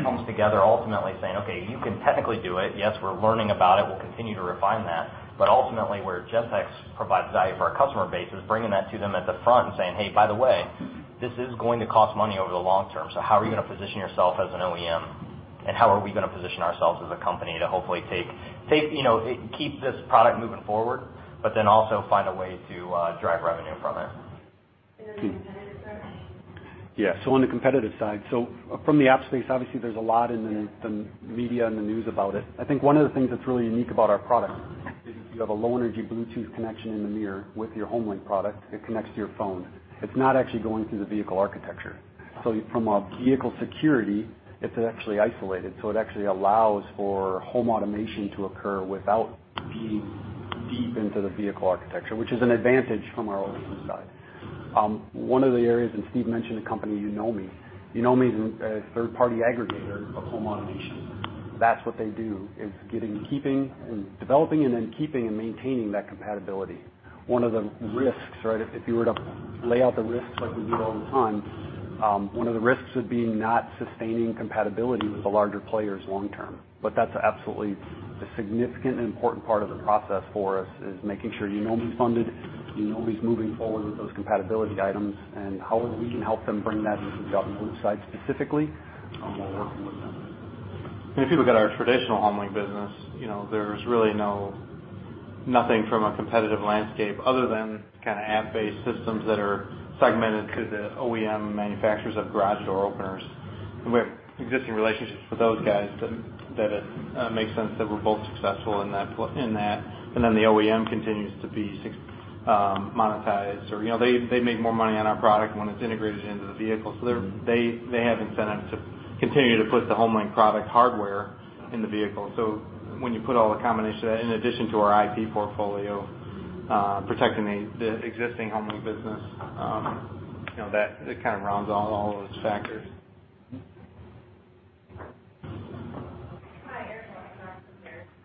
comes together, ultimately saying, "Okay, you can technically do it. Yes, we're learning about it. We'll continue to refine that." Ultimately, where Gentex provides value for our customer base is bringing that to them at the front and saying, "Hey, by the way, this is going to cost money over the long term. How are you going to position yourself as an OEM? How are we going to position ourselves as a company to hopefully keep this product moving forward, but then also find a way to drive revenue from it?
On the competitive side?
Yeah. On the competitive side, from the app space, obviously, there's a lot in the media and the news about it. I think one of the things that's really unique about our product is you have a low-energy Bluetooth connection in the mirror with your HomeLink product. It connects to your phone. It's not actually going through the vehicle architecture. From a vehicle security, it's actually isolated. It actually allows for home automation to occur without being deep into the vehicle architecture, which is an advantage from our OEM side. One of the areas, Steve mentioned a company, Yonomi. Yonomi is a third-party aggregator of home automation. That's what they do, is getting, keeping, and developing, and then keeping and maintaining that compatibility. One of the risks, right, if you were to lay out the risks like we do all the time, one of the risks would be not sustaining compatibility with the larger players long term. That's absolutely a significant and important part of the process for us, is making sure Yonomi's funded, Yonomi's moving forward with those compatibility items, and how we can help them bring that into the John Deere side specifically, we're working with them.
If you look at our traditional HomeLink business, there's really nothing from a competitive landscape other than app-based systems that are segmented to the OEM manufacturers of garage door openers. We have existing relationships with those guys that it makes sense that we're both successful in that. The OEM continues to be monetized or they make more money on our product when it's integrated into the vehicle. They have incentive to continue to put the HomeLink product hardware in the vehicle. When you put all the combination of that, in addition to our IP portfolio, protecting the existing HomeLink business, that kind of rounds out all those factors.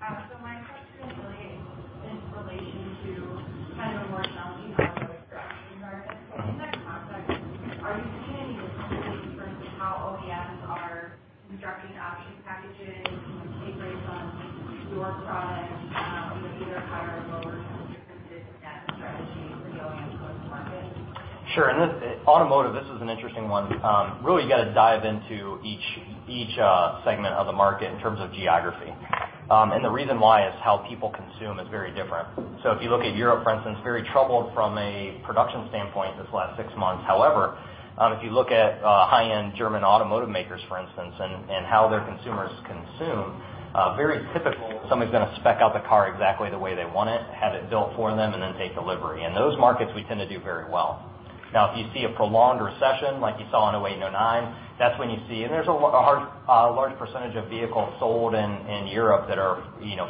Hi, Erica here. My question is really in relation to kind of a more challenging automotive production environment. In that context, are you seeing any differences in how OEMs are constructing the option packages, take rates on your product, are they either higher or lower? Just kind of the differences in that strategy for the OEMs going to market.
Sure. Automotive, this is an interesting one. Really got to dive into each segment of the market in terms of geography. The reason why is how people consume is very different. If you look at Europe, for instance, very troubled from a production standpoint this last six months. However, if you look at high-end German automotive makers, for instance, and how their consumers consume, very typical, somebody's going to spec out the car exactly the way they want it, have it built for them, and then take delivery. In those markets, we tend to do very well. Now, if you see a prolonged recession like you saw in 2008 and 2009, that's when you see there's a large percentage of vehicles sold in Europe that are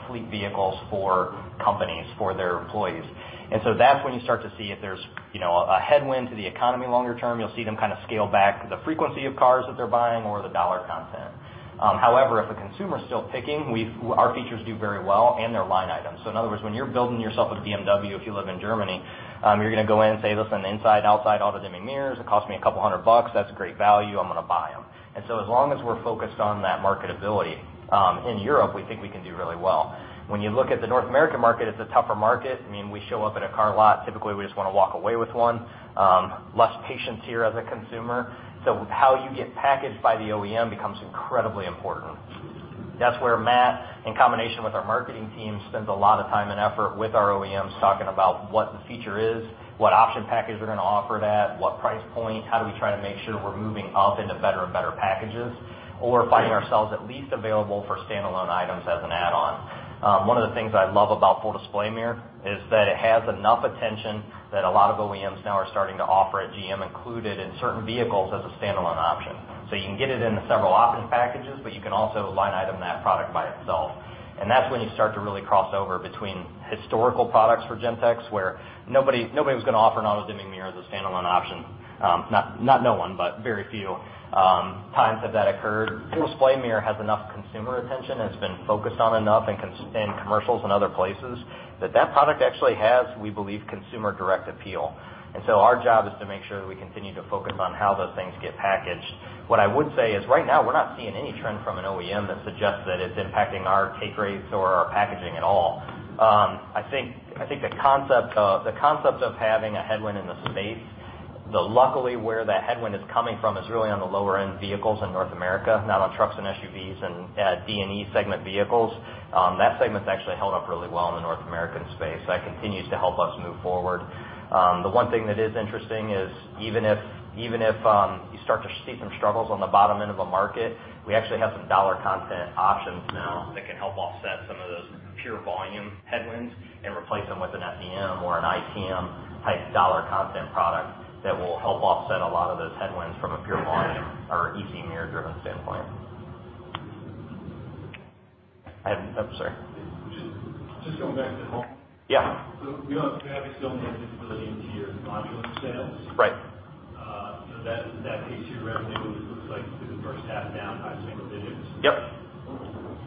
fleet vehicles for companies, for their employees. That's when you start to see if there's a headwind to the economy longer term. You'll see them kind of scale back the frequency of cars that they're buying or the dollar content. However, if a consumer's still picking, our features do very well and their line items. In other words, when you're building yourself a BMW, if you live in Germany, you're going to go in, say, "Listen, inside, outside, auto-dimming mirrors. It costs me a couple hundred bucks. That's a great value. I'm going to buy them." As long as we're focused on that marketability in Europe, we think we can do really well. When you look at the North American market, it's a tougher market. We show up at a car lot, typically, we just want to walk away with one. Less patience here as a consumer. How you get packaged by the OEM becomes incredibly important. That's where Matt, in combination with our marketing team, spends a lot of time and effort with our OEMs talking about what the feature is, what option package we're going to offer that, what price point, how do we try to make sure we're moving up into better and better packages, or finding ourselves at least available for standalone items as an add-on. One of the things I love about Full Display Mirror is that it has enough attention that a lot of OEMs now are starting to offer it, GM included, in certain vehicles as a standalone option. You can get it into several option packages, but you can also line item that product by itself. That's when you start to really cross over between historical products for Gentex, where nobody was going to offer an auto-dimming mirror as a standalone option. Not no one, but very few times has that occurred. Full Display Mirror has enough consumer attention, has been focused on enough in commercials and other places, that that product actually has, we believe, consumer direct appeal. Our job is to make sure that we continue to focus on how those things get packaged. What I would say is right now, we're not seeing any trend from an OEM that suggests that it's impacting our take rates or our packaging at all. I think the concept of having a headwind in the space, though luckily where the headwind is coming from is really on the lower-end vehicles in North America, not on trucks and SUVs and D and E segment vehicles. That segment's actually held up really well in the North American space. That continues to help us move forward. The one thing that is interesting is even if you start to see some struggles on the bottom end of a market, we actually have some dollar content options now that can help offset some of those pure volume headwinds and replace them with an FDM or an ITM type dollar content product that will help offset a lot of those headwinds from a pure volume or EC mirror driven standpoint. I'm sorry.
Just going back to HomeLink.
Yeah.
You obviously still have visibility into your modular sales.
Right.
That piece of your revenue looks like through the first half, down high single digits.
Yep.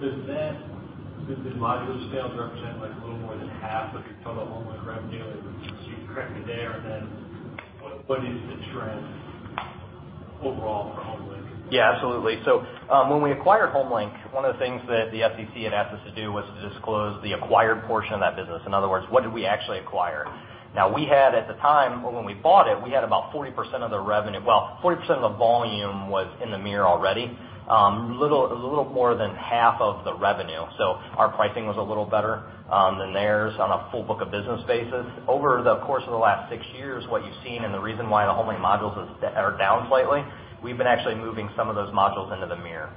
Does modular sales represent a little more than half of your total HomeLink revenue? Could you correct me there? What is the trend overall for HomeLink?
Yeah, absolutely. When we acquired HomeLink, one of the things that the SEC had asked us to do was to disclose the acquired portion of that business. In other words, what did we actually acquire? Now, we had at the time, or when we bought it, we had about 40% of the revenue. Well, 40% of the volume was in the mirror already. A little more than half of the revenue. Our pricing was a little better than theirs on a full book of business basis. Over the course of the last six years, what you've seen and the reason why the HomeLink modules are down slightly, we've been actually moving some of those modules into the mirror.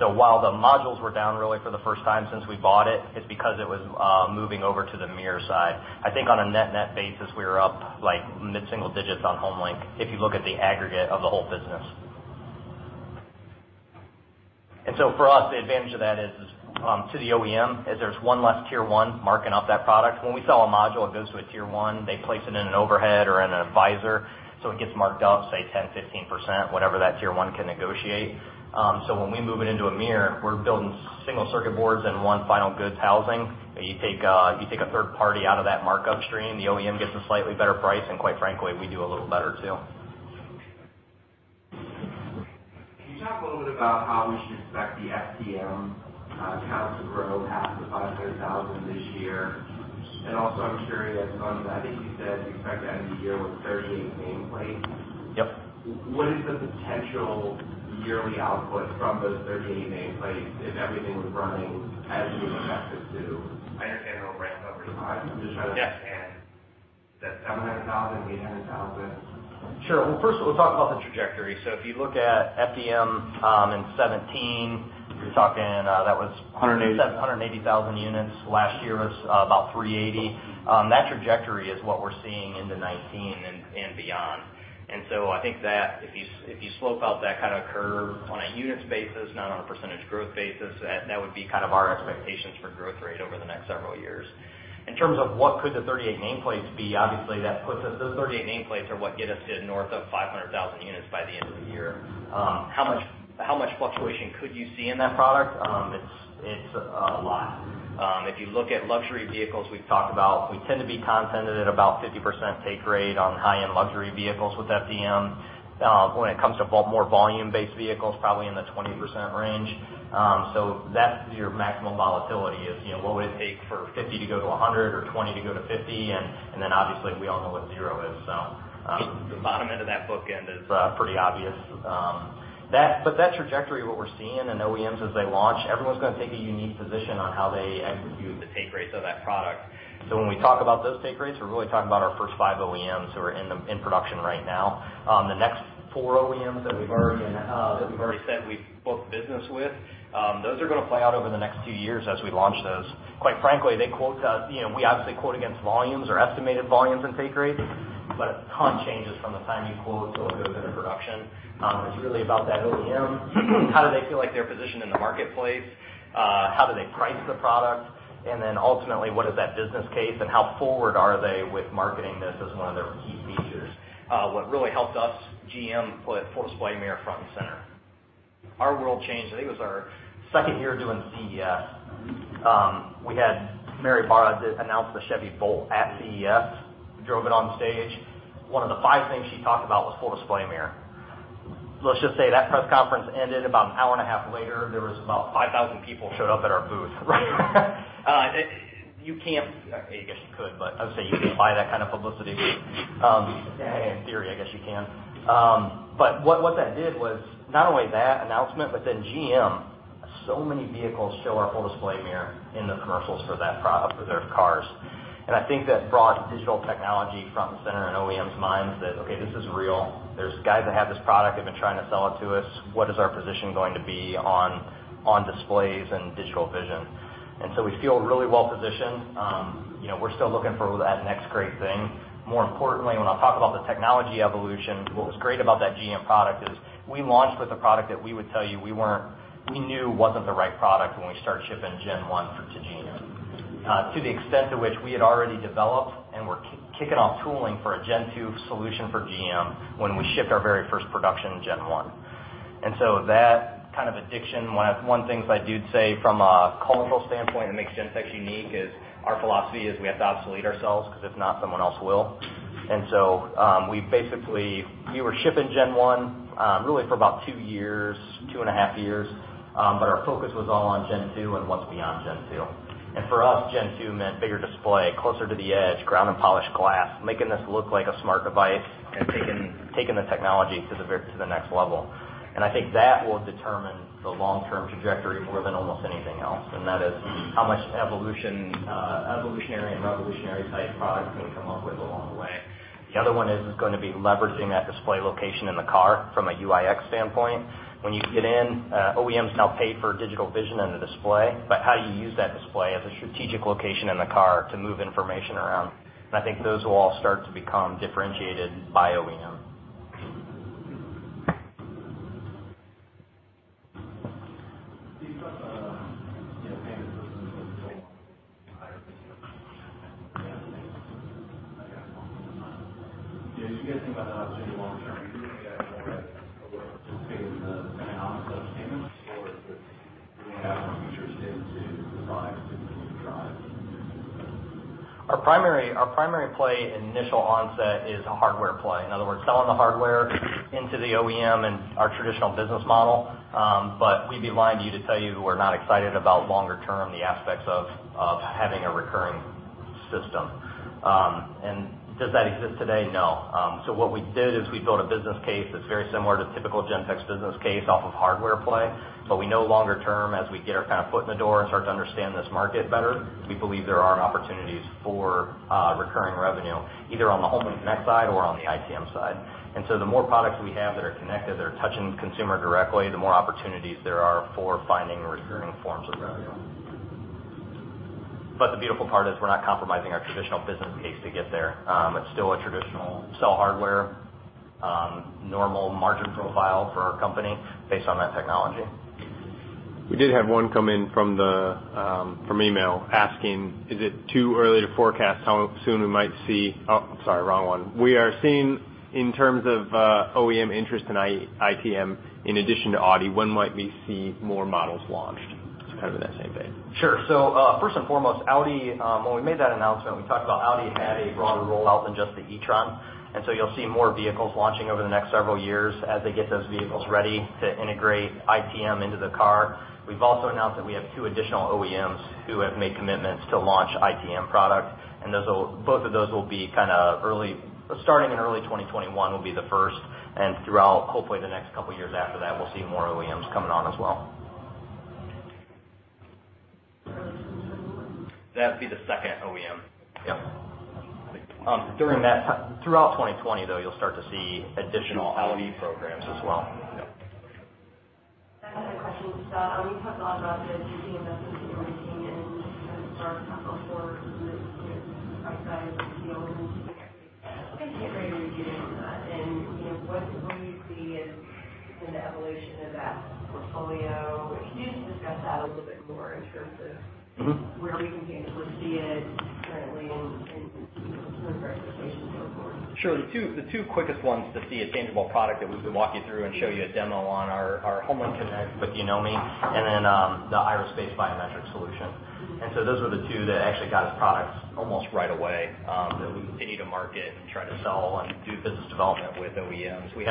While the modules were down really for the first time since we bought it's because it was moving over to the mirror side. I think on a net-net basis, we were up mid-single digits on HomeLink, if you look at the aggregate of the whole business. For us, the advantage of that is to the OEM, there's one less tier 1 marking up that product. When we sell a module, it goes to a tier 1. They place it in an overhead or in a visor, it gets marked up, say 10%-15%, whatever that tier 1 can negotiate. When we move it into a mirror, we're building single circuit boards in one final goods housing. You take a third party out of that markup stream, the OEM gets a slightly better price, quite frankly, we do a little better too.
Can you talk a little bit about how we should expect the FDM count to grow past the 500,000 this year? Also, I'm curious on, I think you said you expect to end the year with 38 nameplates?
Yep.
What is the potential yearly output from those 38 nameplates if everything was running as you expect it to? I understand it'll ramp over time.
Yeah.
Is that $700,000, $800,000?
Sure. Well, first, we'll talk about the trajectory. If you look at FDM in 2017, you're talking.
180
180,000 units. Last year was about 380. That trajectory is what we're seeing into 2019 and beyond. I think that if you slope out that kind of curve on a units basis, not on a percentage growth basis, that would be kind of our expectations for growth rate over the next several years. In terms of what could the 38 nameplates be, obviously those 38 nameplates are what get us to north of 500,000 units by the end of the year. How much fluctuation could you see in that product? It's a lot. If you look at luxury vehicles, we've talked about, we tend to be contented at about 50% take rate on high-end luxury vehicles with FDM. When it comes to more volume-based vehicles, probably in the 20% range. That's your maximum volatility is what would it take for 50 to go to 100 or 20 to go to 50, and then obviously we all know what zero is. The bottom end of that bookend is pretty obvious. That trajectory, what we're seeing in OEMs as they launch, everyone's going to take a unique position on how they execute the take rates of that product. When we talk about those take rates, we're really talking about our first 5 OEMs who are in production right now. The next 4 OEMs that we've already said we've booked business with, those are going to play out over the next 2 years as we launch those. Quite frankly, we obviously quote against volumes or estimated volumes and take rates, but a ton changes from the time you quote till it goes into production. It's really about that OEM, how do they feel like they're positioned in the marketplace? How do they price the product? Ultimately, what is that business case and how forward are they with marketing this as one of their key features? What really helped us, GM put Full Display Mirror front and center. Our world changed, I think it was our second year doing CES. We had Mary Barra announce the Chevy Volt at CES, drove it on stage. One of the five things she talked about was Full Display Mirror. Let's just say that press conference ended about an hour and a half later, there was about 5,000 people showed up at our booth. You can't. I guess you could, but I would say you can buy that kind of publicity. In theory, I guess you can. What that did was not only that announcement, but then GM, so many vehicles show our Full Display Mirror in the commercials for their cars. I think that brought digital technology front and center in OEMs' minds that, okay, this is real. There's guys that have this product. They've been trying to sell it to us. What is our position going to be on displays and digital vision? We feel really well positioned. We're still looking for that next great thing. More importantly, when I talk about the technology evolution, what was great about that GM product is we launched with a product that we would tell you we knew wasn't the right product when we started shipping Gen 1 to GM. To the extent to which we had already developed and were kicking off tooling for a Gen 2 solution for GM when we shipped our very first production Gen 1. That kind of adage, one of the things I did say from a cultural standpoint that makes Gentex unique is our philosophy is we have to obsolete ourselves, because if not, someone else will. We were shipping Gen 1 really for about two years, two and a half years. Our focus was all on Gen 2 and what's beyond Gen 2. For us, Gen 2 meant bigger display, closer to the edge, ground and polished glass, making this look like a smart device and taking the technology to the next level. I think that will determine the long-term trajectory more than almost anything else. That is how much evolutionary and revolutionary type products we can come up with along the way. The other one is going to be leveraging that display location in the car from a UI/UX standpoint. When you get in, OEMs now pay for digital vision and the display, but how you use that display as a strategic location in the car to move information around. I think those will all start to become differentiated by OEM.
As you guys think about that opportunity long term, are you looking at more of just paying the economics of payments or doing that kind of features into the products that you drive?
Our primary play in initial onset is a hardware play. In other words, selling the hardware into the OEM and our traditional business model. We'd be lying to you to tell you we're not excited about longer term, the aspects of having a recurring system. Does that exist today? No. What we did is we built a business case that's very similar to a typical Gentex business case off of hardware play. We know longer term, as we get our foot in the door and start to understand this market better, we believe there are opportunities for recurring revenue, either on the HomeLink Connect side or on the ITM side. The more products we have that are connected, that are touching the consumer directly, the more opportunities there are for finding recurring forms of revenue. The beautiful part is we're not compromising our traditional business case to get there. It's still a traditional sell hardware, normal margin profile for our company based on that technology.
Oh, I'm sorry, wrong one. We are seeing in terms of OEM interest in ITM, in addition to Audi, when might we see more models launched? It's kind of in that same vein.
Sure. First and foremost, Audi, when we made that announcement, we talked about Audi having a broader rollout than just the e-tron. You'll see more vehicles launching over the next several years as they get those vehicles ready to integrate ITM into the car. We've also announced that we have two additional OEMs who have made commitments to launch ITM product. Both of those will be starting in early 2021 will be the first, throughout, hopefully the next couple of years after that, we'll see more OEMs coming on as well.
That'd be the second OEM.
Yep. Throughout 2020, though, you'll start to see additional Audi programs as well.
Yep.
I had a question, Scott. We talked a lot about the investment team and kind of start to talk about for the price side of the field and integrating. Can I get your review on that? What do you see has been the evolution of that portfolio? If you could just discuss that a little bit more in terms of. Where we can tangibly see it currently and consumer expectations going forward.
Sure. The two quickest ones to see a tangible product that we can walk you through and show you a demo on are HomeLink Connect with Yonomi and then the iris-based biometric solution. Those are the two that actually got us products almost right away that we continue to market and try to sell and do business development with OEMs. We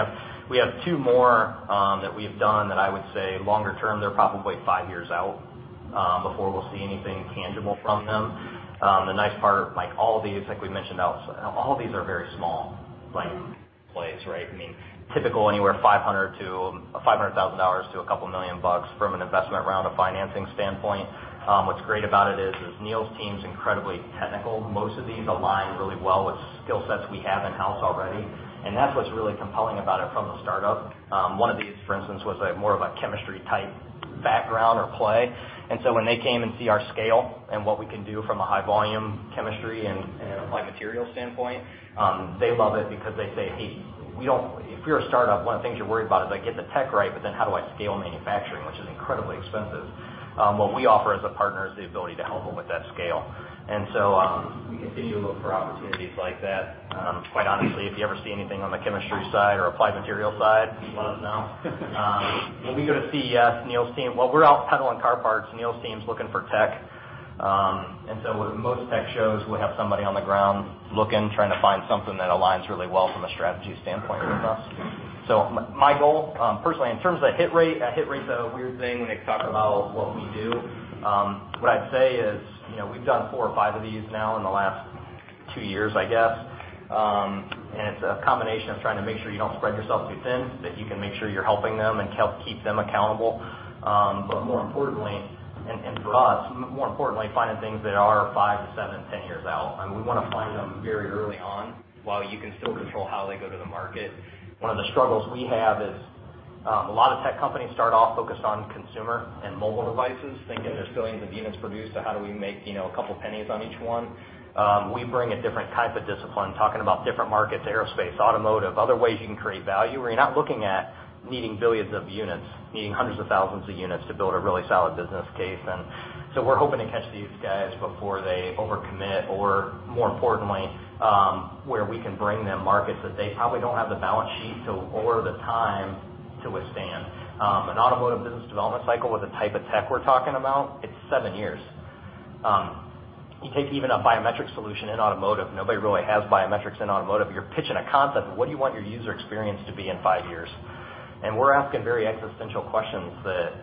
have two more that we've done that I would say longer term, they're probably five years out before we'll see anything tangible from them. The nice part, like all of these, like we mentioned, all of these are very small plays, right? Typical anywhere $500,000-$2 million from an investment round of financing standpoint. What's great about it is, Neil's team's incredibly technical. Most of these align really well with skill sets we have in-house already, and that's what's really compelling about it from the startup. When they came and see our scale and what we can do from a high-volume chemistry and applied material standpoint, they love it because they say, "Hey, if you're a startup, one of the things you're worried about is I get the tech right, how do I scale manufacturing?" Which is incredibly expensive. What we offer as a partner is the ability to help them with that scale. We continue to look for opportunities like that. Quite honestly, if you ever see anything on the chemistry side or applied material side, let us know. When we go to CES, while we're out peddling car parts, Neil's team's looking for tech. With most tech shows, we have somebody on the ground looking, trying to find something that aligns really well from a strategy standpoint with us. My goal, personally, in terms of hit rate, hit rate's a weird thing when you talk about what we do. What I'd say is, we've done four or five of these now in the last two years, I guess. It's a combination of trying to make sure you don't spread yourself too thin, that you can make sure you're helping them and help keep them accountable. More importantly, and for us, more importantly, finding things that are five to seven to 10 years out. We want to find them very early on, while you can still control how they go to the market. One of the struggles we have is a lot of tech companies start off focused on consumer and mobile devices, thinking there's billions of units produced, how do we make a couple pennies on each one? We bring a different type of discipline, talking about different markets, aerospace, automotive, other ways you can create value, where you're not looking at needing billions of units, needing hundreds of thousands of units to build a really solid business case. We're hoping to catch these guys before they over-commit or, more importantly, where we can bring them markets that they probably don't have the balance sheet or the time to withstand. An automotive business development cycle with the type of tech we're talking about, it's seven years. You take even a biometric solution in automotive, nobody really has biometrics in automotive. You're pitching a concept. What do you want your user experience to be in five years? We're asking very existential questions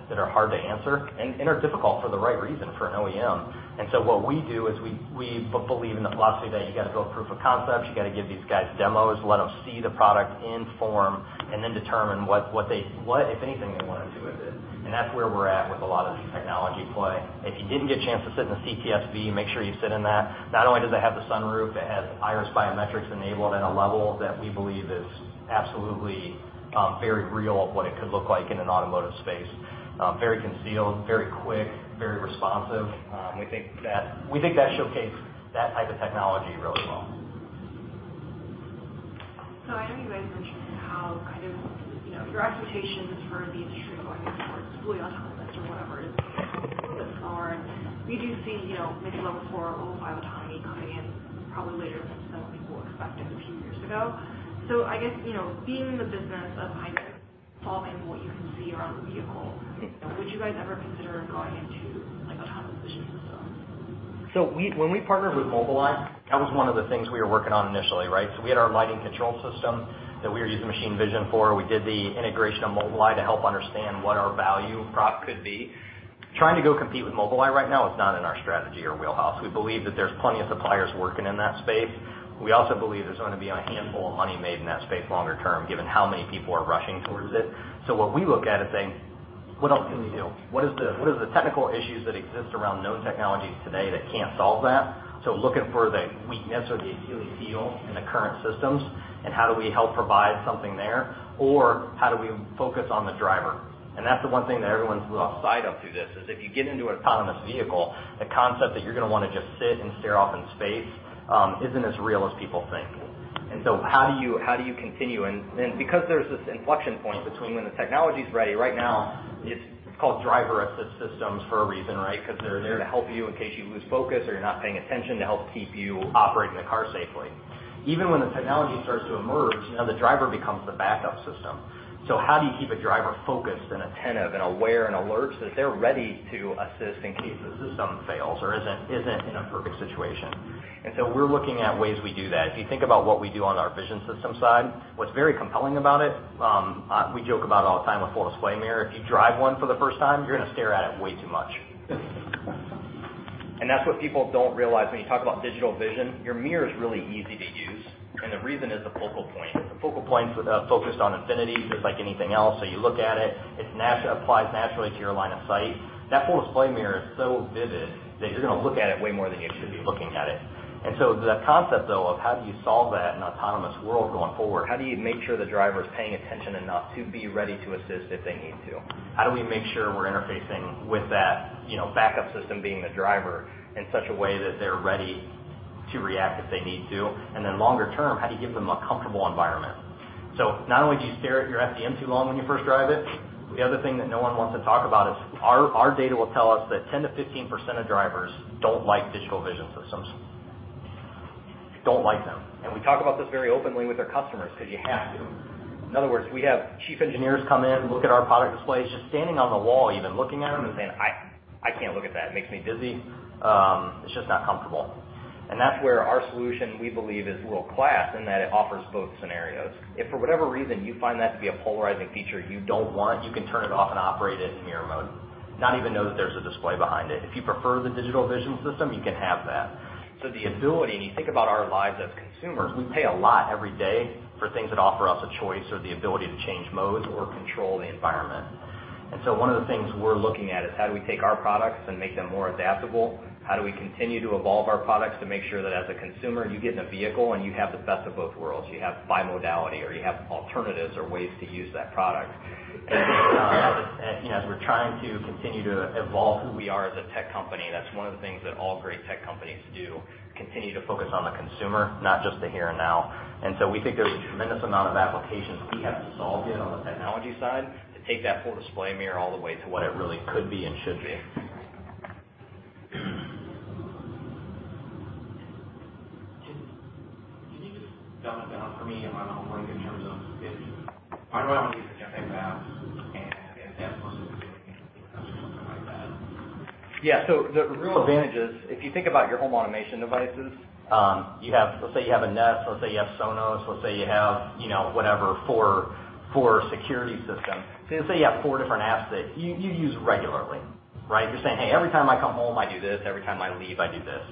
that are hard to answer and are difficult for the right reason for an OEM. What we do is we believe in the philosophy that you got to build proof of concepts. You got to give these guys demos, let them see the product in form, and then determine what, if anything, they want to do with it. That's where we're at with a lot of the technology play. If you didn't get a chance to sit in the CT5-V, make sure you sit in that. Not only does it have the sunroof, it has Iris Biometrics enabled at a level that we believe is absolutely very real of what it could look like in an automotive space. Very concealed, very quick, very responsive. We think that showcased that type of technology really well.
I know you guys mentioned how your expectations for the industry going towards fully autonomous or whatever is a bit further out than some others. We do see maybe level 4 or level 5 autonomy coming in probably later than what people expected a few years ago. I guess, being in the business of solving what you can see around the vehicle, would you guys ever consider going into an autonomous vision system?
When we partnered with Mobileye, that was one of the things we were working on initially, right? We had our lighting control system that we were using machine vision for. We did the integration of Mobileye to help understand what our value prop could be. Trying to go compete with Mobileye right now is not in our strategy or wheelhouse. We believe that there's plenty of suppliers working in that space. We also believe there's going to be a handful of money made in that space longer term, given how many people are rushing towards it. What we look at is saying, what else can we do? What are the technical issues that exist around known technologies today that can't solve that? Looking for the weakness or the Achilles heel in the current systems, and how do we help provide something there? How do we focus on the driver? That's the one thing that everyone's lost sight of through this, is if you get into an autonomous vehicle, the concept that you're going to want to just sit and stare off in space isn't as real as people think. How do you continue? Because there's this inflection point between when the technology's ready, right now, it's called driver assist systems for a reason, right? Because they're there to help you in case you lose focus or you're not paying attention, to help keep you operating the car safely. Even when the technology starts to emerge, now the driver becomes the backup system. How do you keep a driver focused and attentive and aware and alert so that they're ready to assist in case the system fails or isn't in a perfect situation? We're looking at ways we do that. If you think about what we do on our vision system side, what's very compelling about it, we joke about it all the time with Full Display Mirror. If you drive one for the first time, you're going to stare at it way too much. That's what people don't realize when you talk about digital vision, your mirror is really easy to use, and the reason is the focal point. The focal point's focused on infinity just like anything else. You look at it applies naturally to your line of sight. That Full Display Mirror is so vivid that you're going to look at it way more than you should be looking at it. The concept, though, of how do you solve that in an autonomous world going forward, how do you make sure the driver's paying attention enough to be ready to assist if they need to? How do we make sure we're interfacing with that backup system, being the driver, in such a way that they're ready to react if they need to? Longer term, how do you give them a comfortable environment? Not only do you stare at your FDM too long when you first drive it, the other thing that no one wants to talk about is our data will tell us that 10%-15% of drivers don't like digital vision systems. Don't like them. We talk about this very openly with our customers because you have to. In other words, we have chief engineers come in, look at our product displays, just standing on the wall even, looking at them and saying, "I can't look at that. It makes me dizzy. It's just not comfortable." That's where our solution, we believe, is world-class in that it offers both scenarios. If for whatever reason you find that to be a polarizing feature you don't want, you can turn it off and operate it in mirror mode, not even know that there's a display behind it. If you prefer the digital vision system, you can have that. The ability, when you think about our lives as consumers, we pay a lot every day for things that offer us a choice or the ability to change modes or control the environment. One of the things we're looking at is how do we take our products and make them more adaptable? How do we continue to evolve our products to make sure that as a consumer, you get in a vehicle and you have the best of both worlds. You have bimodality, or you have alternatives or ways to use that product. As we're trying to continue to evolve who we are as a tech company, that's one of the things that all great tech companies do, continue to focus on the consumer, not just the here and now. We think there's a tremendous amount of applications we haven't solved yet on the technology side to take that Full Display Mirror all the way to what it really could be and should be.
Can you just dumb it down for me? I'm wondering in terms of if I want to use a Gentex app and that's hosted within an ecosystem or something like that.
Yeah. The real advantage is, if you think about your home automation devices, let's say you have a Nest, let's say you have Sonos, let's say you have whatever for a security system. Let's say you have four different apps that you use regularly, right? You're saying, "Hey, every time I come home, I do this. Every time I leave, I do this."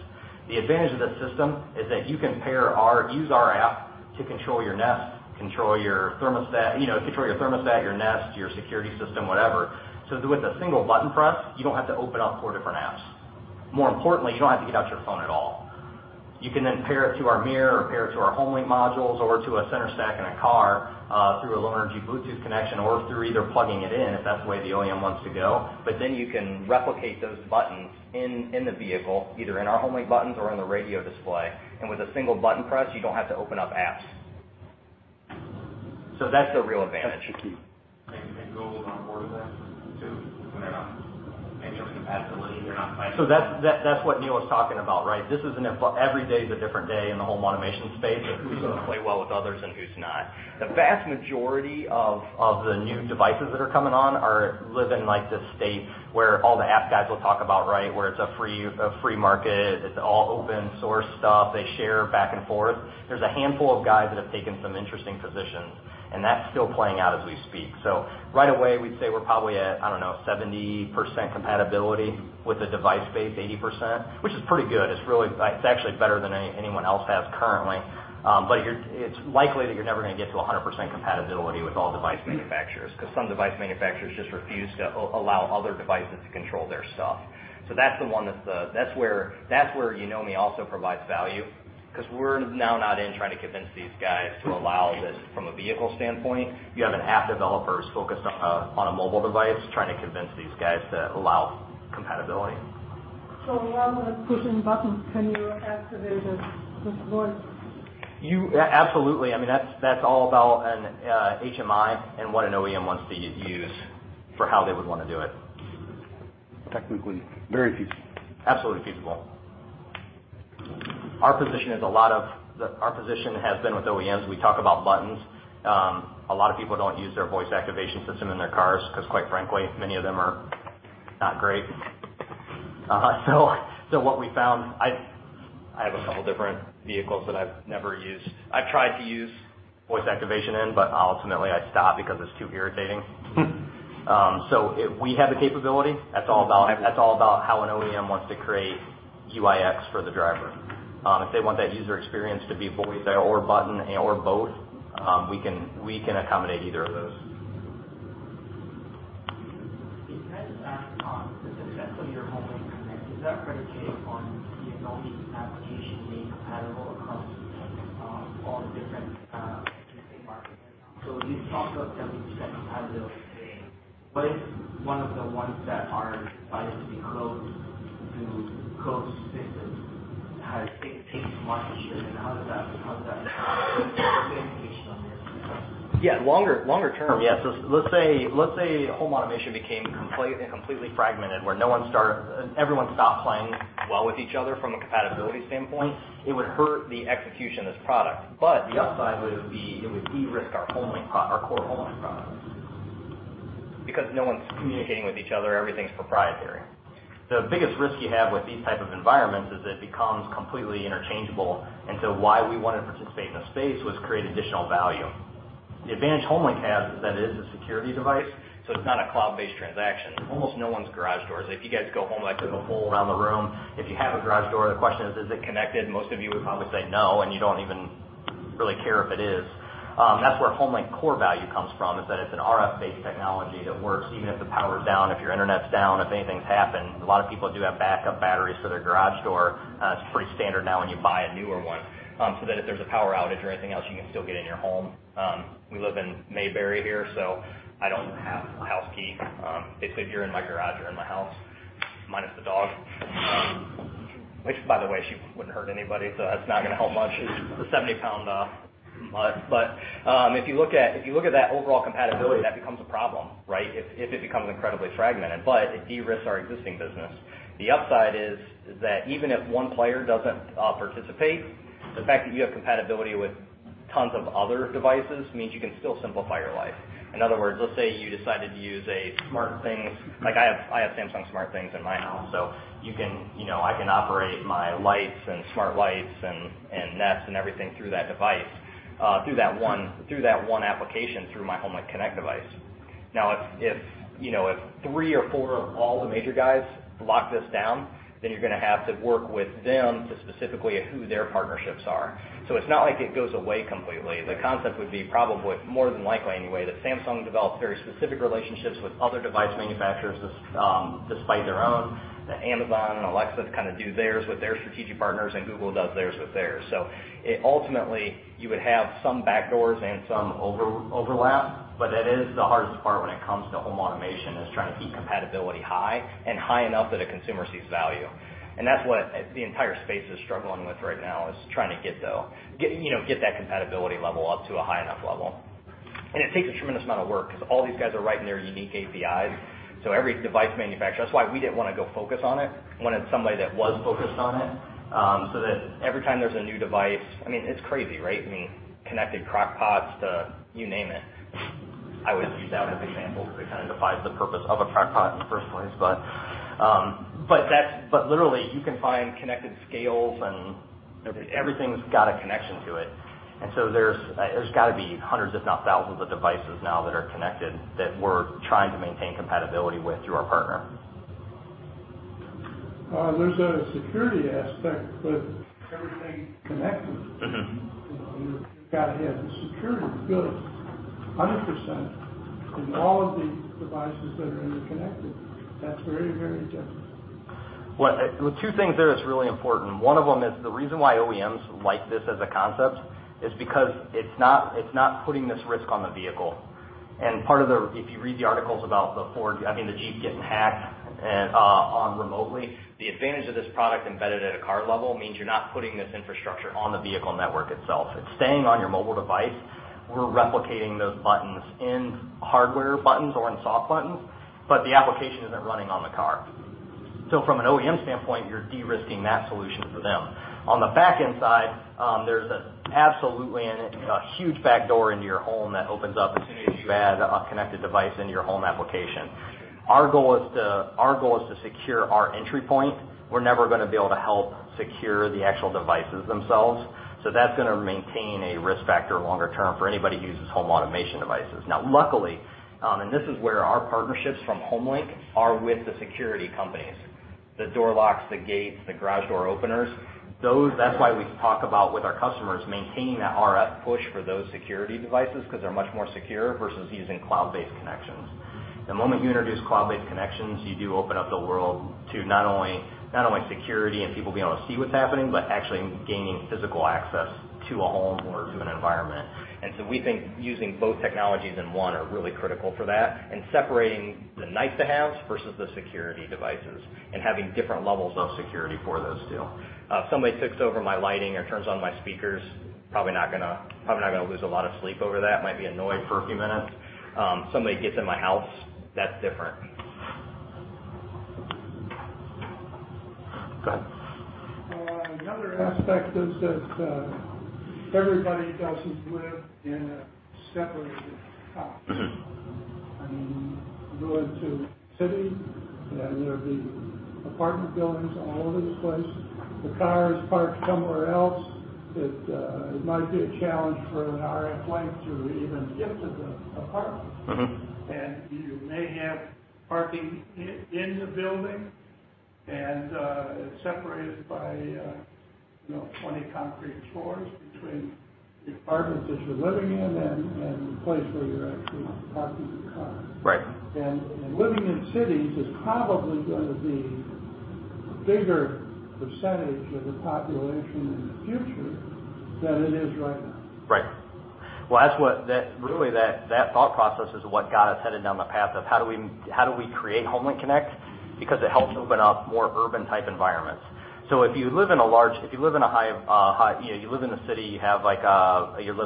The advantage of this system is that you can pair or use our app to control your Nest, control your thermostat, your Nest, your security system, whatever. With a single button press, you don't have to open up four different apps. More importantly, you don't have to get out your phone at all. You can pair it to our mirror or pair it to our HomeLink modules or to a center stack in a car, through a low-energy Bluetooth connection or through either plugging it in if that's the way the OEM wants to go. You can replicate those buttons in the vehicle, either in our HomeLink buttons or on the radio display. With a single button press, you don't have to open up apps. That's the real advantage.
That's the key.
Google's on board with that too, when they're In terms of compatibility, they're not fighting that?
That's what Neil was talking about, right? Every day is a different day in the home automation space of who's going to play well with others and who's not. The vast majority of the new devices that are coming on live in this state where all the app guys will talk about, right, where it's a free market, it's all open source stuff. They share back and forth. There's a handful of guys that have taken some interesting positions, and that's still playing out as we speak. Right away, we'd say we're probably at, I don't know, 70% compatibility with the device space, 80%, which is pretty good. It's actually better than anyone else has currently. It's likely that you're never going to get to 100% compatibility with all device manufacturers, because some device manufacturers just refuse to allow other devices to control their stuff. That's the one That's where Yonomi also provides value, because we are now not in trying to convince these guys to allow this from a vehicle standpoint. You have an app developer who is focused on a mobile device trying to convince these guys to allow compatibility.
Rather than pushing buttons, can you activate it with voice?
Absolutely. That's all about an HMI and what an OEM wants to use for how they would want to do it.
Technically, very feasible.
Absolutely feasible. Our position has been with OEMs. We talk about buttons. A lot of people don't use their voice activation system in their cars because quite frankly, many of them are not great. What we found, I have a couple different vehicles that I've never used. I've tried to use voice activation in, but ultimately I stop because it's too irritating. We have the capability. That's all about how an OEM wants to create UI/UX for the driver. If they want that user experience to be voice or button or both, we can accommodate either of those.
Depending on the success of your HomeLink Connect, is that predicated on the Yonomi application being compatible across all the different markets? You talked about 70% compatibility. What if one of the ones that are likely to be closed systems takes market share, how does that impact the application on there?
Longer term. Let's say home automation became completely fragmented where everyone stopped playing well with each other from a compatibility standpoint. It would hurt the execution of this product, but the upside would be it would de-risk our core HomeLink product. No one's communicating with each other, everything's proprietary. The biggest risk you have with these type of environments is it becomes completely interchangeable. Why we want to participate in the space was create additional value. The advantage HomeLink has is that it is a security device, so it's not a cloud-based transaction. Almost no one's garage door is. If you guys go home, take a poll around the room. If you have a garage door, the question is it connected? Most of you would probably say no, and you don't even really care if it is. That's where HomeLink core value comes from, is that it's an RF-based technology that works even if the power's down, if your internet's down, if anything's happened. A lot of people do have backup batteries for their garage door. It's pretty standard now when you buy a newer one, so that if there's a power outage or anything else, you can still get in your home. We live in Mayberry here. I don't have a house key. Basically, if you're in my garage, you're in my house, minus the dog. Which, by the way, she wouldn't hurt anybody, so that's not going to help much. She's a 70-pound mutt. If you look at that overall compatibility, that becomes a problem, right? If it becomes incredibly fragmented. It de-risks our existing business. The upside is that even if one player doesn't participate, the fact that you have compatibility with tons of other devices means you can still simplify your life. In other words, let's say you decided to use a SmartThings. I have Samsung SmartThings in my house. I can operate my lights and smart lights and Nest and everything through that device, through that one application, through my HomeLink Connect device. Now, if three or four, all the major guys, lock this down, then you're going to have to work with them to specifically who their partnerships are. It's not like it goes away completely. The concept would be probably, more than likely anyway, that Samsung develops very specific relationships with other device manufacturers to supply their own. That Amazon and Alexa kind of do theirs with their strategic partners, and Google does theirs with theirs. Ultimately, you would have some backdoors and some overlap. That is the hardest part when it comes to home automation, is trying to keep compatibility high, and high enough that a consumer sees value. That's what the entire space is struggling with right now, is trying to get that compatibility level up to a high enough level. It takes a tremendous amount of work because all these guys are writing their unique APIs. Every device manufacturer. That's why we didn't want to go focus on it. Wanted somebody that was focused on it, so that every time there's a new device. It's crazy, right? Connected Crock-Pot to you name it. I always use that as an example because it kind of defies the purpose of a Crock-Pot in the first place. Literally, you can find connected scales.
Okay.
Everything's got a connection to it. There's got to be hundreds, if not thousands, of devices now that are connected that we're trying to maintain compatibility with through our partner.
There's a security aspect with everything connected. You've got to have the security good, 100%, in all of the devices that are interconnected. That's very, very difficult.
Well, two things there that's really important. One of them is the reason why OEMs like this as a concept is because it's not putting this risk on the vehicle. If you read the articles about the Jeep getting hacked on remotely, the advantage of this product embedded at a car level means you're not putting this infrastructure on the vehicle network itself. It's staying on your mobile device. We're replicating those buttons in hardware buttons or in soft buttons, but the application isn't running on the car. From an OEM standpoint, you're de-risking that solution for them. On the back end side, there's absolutely a huge back door into your home that opens up as soon as you add a connected device into your home application. Our goal is to secure our entry point. We're never going to be able to help secure the actual devices themselves. That's going to maintain a risk factor longer term for anybody who uses home automation devices. Now, luckily, and this is where our partnerships from HomeLink are with the security companies, the door locks, the gates, the garage door openers. That's why we talk about with our customers, maintaining that RF push for those security devices because they're much more secure versus using cloud-based connections. The moment you introduce cloud-based connections, you do open up the world to not only security and people being able to see what's happening, but actually gaining physical access to a home or to an environment. We think using both technologies in one are really critical for that and separating the nice-to-haves versus the security devices and having different levels of security for those, too. If somebody takes over my lighting or turns on my speakers, probably not going to lose a lot of sleep over that. Might be annoyed for a few minutes. Somebody gets in my house, that's different. Go ahead.
Another aspect is that everybody doesn't live in a separated house. You go into cities, there'll be apartment buildings all over the place. The car is parked somewhere else. It might be a challenge for an RF link to even get to the apartment. You may have parking in the building and it's separated by 20 concrete floors between the apartment that you're living in and the place where you're actually parking your car.
Right.
Living in cities is probably going to be a bigger percentage of the population in the future than it is right now.
Right. Well, really that thought process is what got us headed down the path of how do we create HomeLink Connect, because it helps open up more urban type environments. If you live in a city, you're living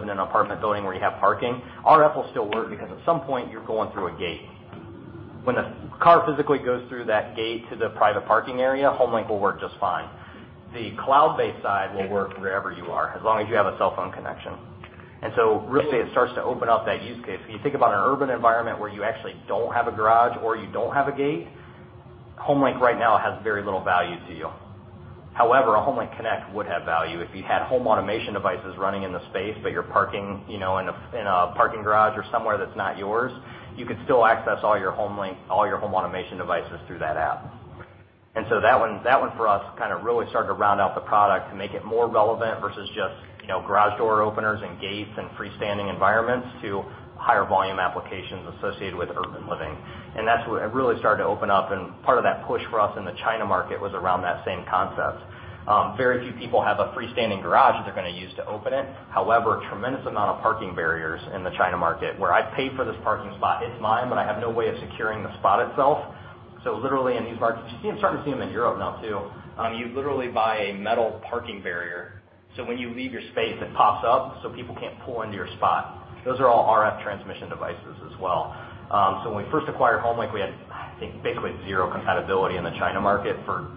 in an apartment building where you have parking, RF will still work because at some point you're going through a gate. When the car physically goes through that gate to the private parking area, HomeLink will work just fine. The cloud-based side will work wherever you are, as long as you have a cellphone connection. Really it starts to open up that use case. If you think about an urban environment where you actually don't have a garage or you don't have a gate, HomeLink right now has very little value to you. However, a HomeLink Connect would have value. If you had home automation devices running in the space, but you're parking in a parking garage or somewhere that's not yours, you could still access all your home automation devices through that app. That one for us kind of really started to round out the product to make it more relevant versus just garage door openers and gates and freestanding environments to higher volume applications associated with urban living. That's what really started to open up, and part of that push for us in the China market was around that same concept. Very few people have a freestanding garage that they're going to use to open it. However, tremendous amount of parking barriers in the China market where I pay for this parking spot. It's mine, but I have no way of securing the spot itself. Literally in these markets, you're starting to see them in Europe now, too. You literally buy a metal parking barrier, so when you leave your space, it pops up, so people can't pull into your spot. Those are all RF transmission devices as well. When we first acquired HomeLink, we had, I think, basically zero compatibility in the China market for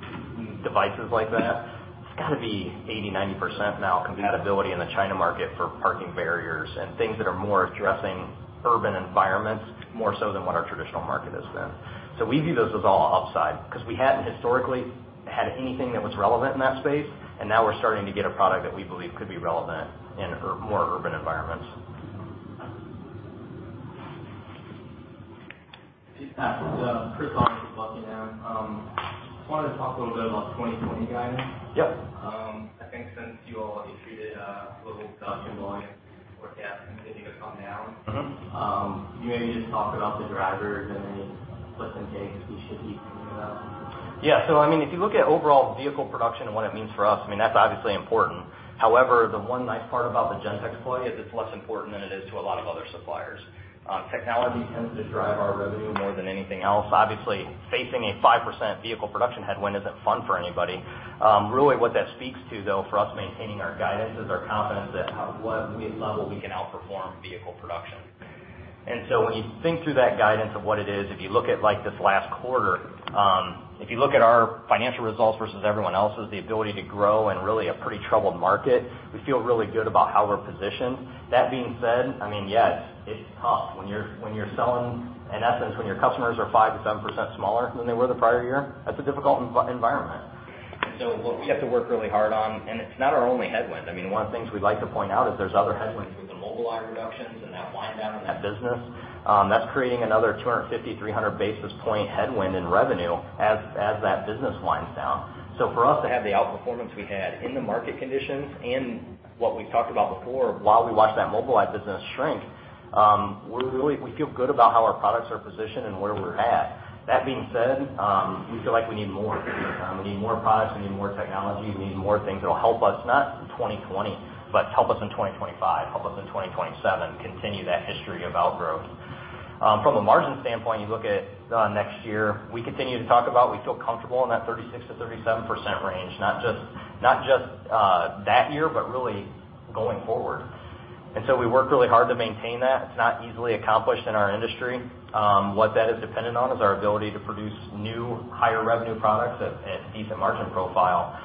devices like that. It's got to be 80%-90% now compatibility in the China market for parking barriers and things that are more addressing urban environments more so than what our traditional market has been. We view those as all upside because we hadn't historically had anything that was relevant in that space, and now we're starting to get a product that we believe could be relevant in more urban environments.
Yeah.
Go ahead.
Another aspect is that everybody doesn't live in a separated house. You go into cities, there'll be apartment buildings all over the place. The car is parked somewhere else. It might be a challenge for an RF link to even get to the apartment. You may have parking in the building and it's separated by 20 concrete floors between the apartment that you're living in and the place where you're actually parking your car.
Right.
Living in cities is probably going to be a bigger percentage of the population in the future than it is right
Mobileye reductions and that wind down in that business. That's creating another 250, 300 basis point headwind in revenue as that business winds down. For us to have the outperformance we had in the market conditions and what we've talked about before while we watch that Mobileye business shrink, we feel good about how our products are positioned and where we're at. That being said, we feel like we need more. We need more products, we need more technology, we need more things that'll help us, not in 2020, but help us in 2025, help us in 2027, continue that history of outgrowth. From a margin standpoint, you look at next year, we continue to talk about we feel comfortable in that 36%-37% range, not just that year, but really going forward. We work really hard to maintain that. It's not easily accomplished in our industry. What that is dependent on is our ability to produce new, higher revenue products at decent margin profile.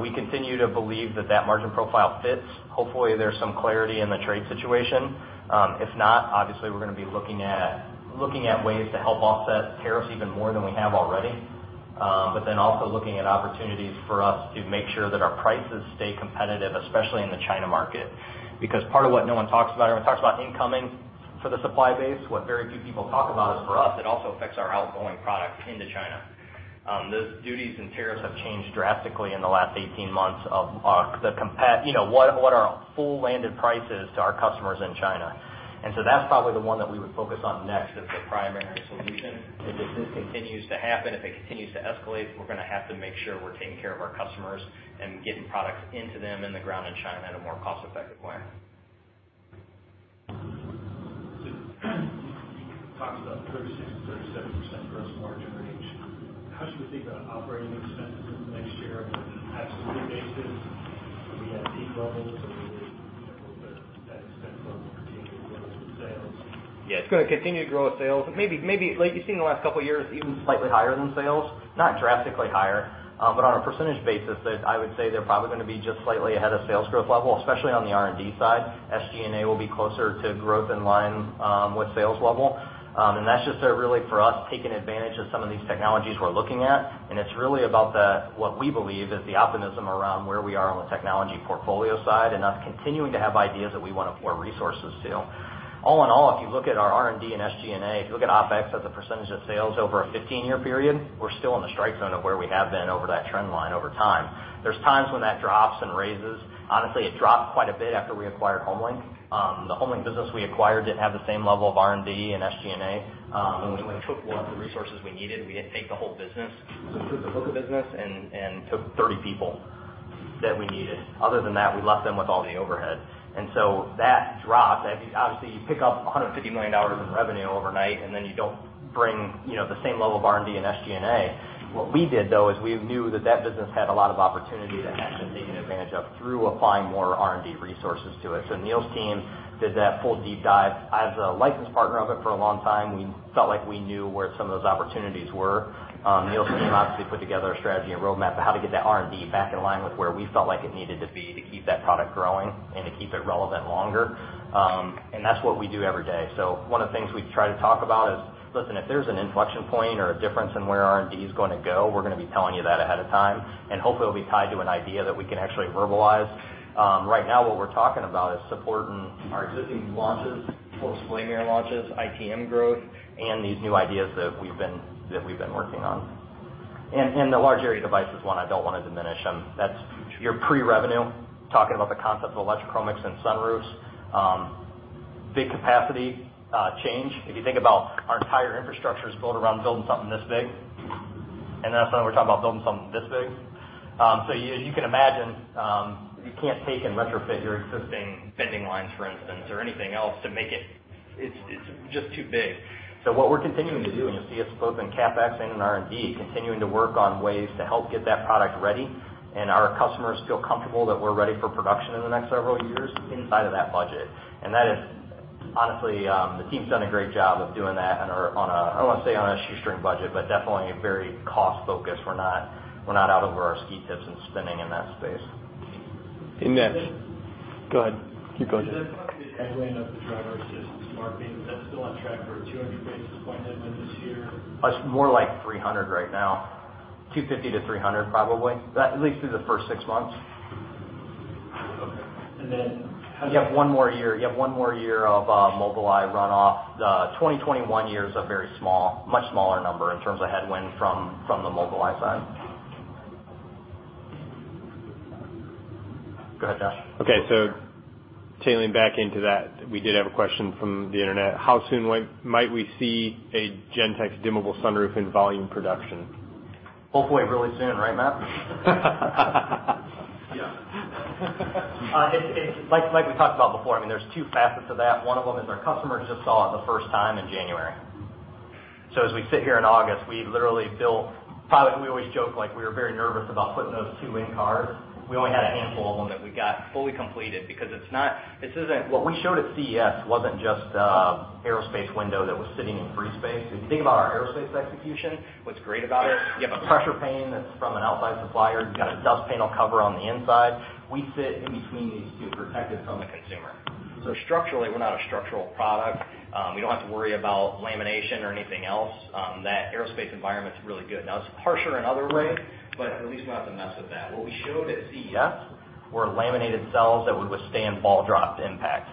We continue to believe that that margin profile fits. Hopefully, there's some clarity in the trade situation. If not, obviously, we're going to be looking at ways to help offset tariffs even more than we have already. Looking at opportunities for us to make sure that our prices stay competitive, especially in the China market. Because part of what no one talks about, everyone talks about incoming for the supply base. What very few people talk about is for us, it also affects our outgoing products into China. Those duties and tariffs have changed drastically in the last 18 months of what our full landed price is to our customers in China. That's probably the one that we would focus on next as the primary solution. If this continues to happen, if it continues to escalate, we're going to have to make sure we're taking care of our customers and getting products into them in the ground in China at a more cost-effective way.
You talked about 36%-37% gross margin range. How should we think about operating expenses next year on an absolute basis? Will we have peak levels or will that expense level continue to grow with sales?
Yeah, it's going to continue to grow with sales. Maybe, like you've seen the last couple of years, even slightly higher than sales. Not drastically higher. On a percentage basis, I would say they're probably going to be just slightly ahead of sales growth level, especially on the R&D side. SG&A will be closer to growth in line with sales level. That's just really for us taking advantage of some of these technologies we're looking at. It's really about what we believe is the optimism around where we are on the technology portfolio side and us continuing to have ideas that we want to pour resources to. All in all, if you look at our R&D and SG&A, if you look at OpEx as a percentage of sales over a 15-year period, we're still in the strike zone of where we have been over that trend line over time. There's times when that drops and raises. Honestly, it dropped quite a bit after we acquired HomeLink. The HomeLink business we acquired didn't have the same level of R&D and SG&A. When we took what the resources we needed, we didn't take the whole business. We took the book of business and took 30 people that we needed. Other than that, we left them with all the overhead. That dropped. Obviously, you pick up $150 million in revenue overnight, and then you don't bring the same level of R&D and SG&A. What we did, though, is we knew that that business had a lot of opportunity that hadn't been taken advantage of through applying more R&D resources to it. Neil's team did that full deep dive. As a licensed partner of it for a long time, we felt like we knew where some of those opportunities were. Neil's team obviously put together a strategy and roadmap of how to get that R&D back in line with where we felt like it needed to be to keep that product growing and to keep it relevant longer. That's what we do every day. One of the things we try to talk about is, listen, if there's an inflection point or a difference in where R&D is going to go, we're going to be telling you that ahead of time. Hopefully, it'll be tied to an idea that we can actually verbalize. Right now, what we're talking about is supporting our existing launches, full swing air launches, ITM growth, and these new ideas that we've been working on. The large area device is one I don't want to diminish. That's your pre-revenue, talking about the concept of electrochromics and sunroofs. Big capacity change. If you think about our entire infrastructure is built around building something this big, and then suddenly we're talking about building something this big. You can imagine, you can't take and retrofit your existing bending lines, for instance, or anything else to make it. It's just too big. What we're continuing to do, and you'll see us both in CapEx and in R&D, continuing to work on ways to help get that product ready and our customers feel comfortable that we're ready for production in the next several years inside of that budget. That is honestly, the team's done a great job of doing that on a, I don't want to say on a shoestring budget, but definitely very cost-focused. We're not out over our ski tips and spinning in that space.
And that-
Go ahead. Keep going.
Just on the headwind of the driver-assistance market, that's still on track for a 200 basis point headwind this year?
It's more like 300 right now. 250-300 probably, at least through the first six months.
Okay.
You have one more year. You have one more year of Mobileye runoff. The 2021 year is a very small, much smaller number in terms of headwind from the Mobileye side. Go ahead, Josh.
Okay. Tailing back into that, we did have a question from the internet. How soon might we see a Gentex dimmable sunroof in volume production?
Hopefully really soon, right, Matt?
Yeah.
Like we talked about before, there's two facets to that. One of them is our customers just saw it the first time in January. As we sit here in August, we always joke, we were very nervous about putting those two in cars. We only had a handful of them that we got fully completed because what we showed at CES wasn't just an aerospace window that was sitting in free space. If you think about our aerospace execution, what's great about it, you have a pressure pane that's from an outside supplier. You've got a dust panel cover on the inside. We sit in between these two, protect it from the consumer. Structurally, we're not a structural product. We don't have to worry about lamination or anything else. That aerospace environment's really good. It's harsher in other ways, but at least we don't have to mess with that. What we showed at CES were laminated cells that would withstand ball dropped impact.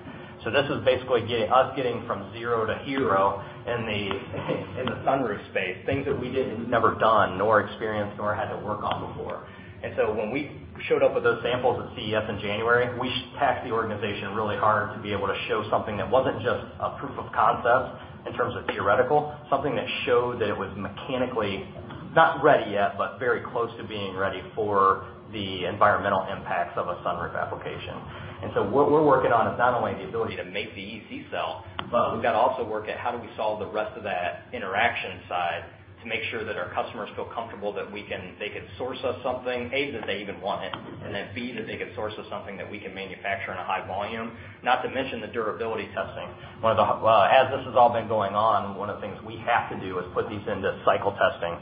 This is basically us getting from zero to hero in the sunroof space. Things that we did and never done, nor experienced, nor had to work on before. When we showed up with those samples at CES in January, we tasked the organization really hard to be able to show something that wasn't just a proof of concept in terms of theoretical, something that showed that it was mechanically not ready yet, but very close to being ready for the environmental impacts of a sunroof application. What we're working on is not only the ability to make the EC cell, but we've got to also work at how do we solve the rest of that interaction side to make sure that our customers feel comfortable that they could source us something, A, that they even want it, and then B, that they could source us something that we can manufacture in a high volume. Not to mention the durability testing. As this has all been going on, one of the things we have to do is put these into cycle testing.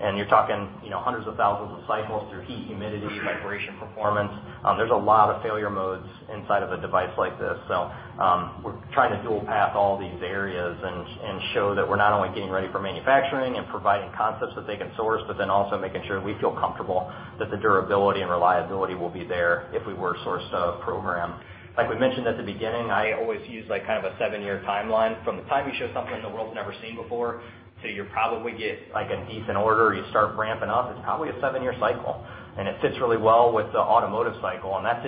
You're talking hundreds of thousands of cycles through heat, humidity, vibration performance. There's a lot of failure modes inside of a device like this. We're trying to dual path all these areas and show that we're not only getting ready for manufacturing and providing concepts that they can source, but then also making sure we feel comfortable that the durability and reliability will be there if we were sourced a program. Like we mentioned at the beginning, I always use a seven-year timeline. From the time you show something the world's never seen before to you probably get a decent order, you start ramping up, it's probably a seven-year cycle, and it fits really well with the automotive cycle. That's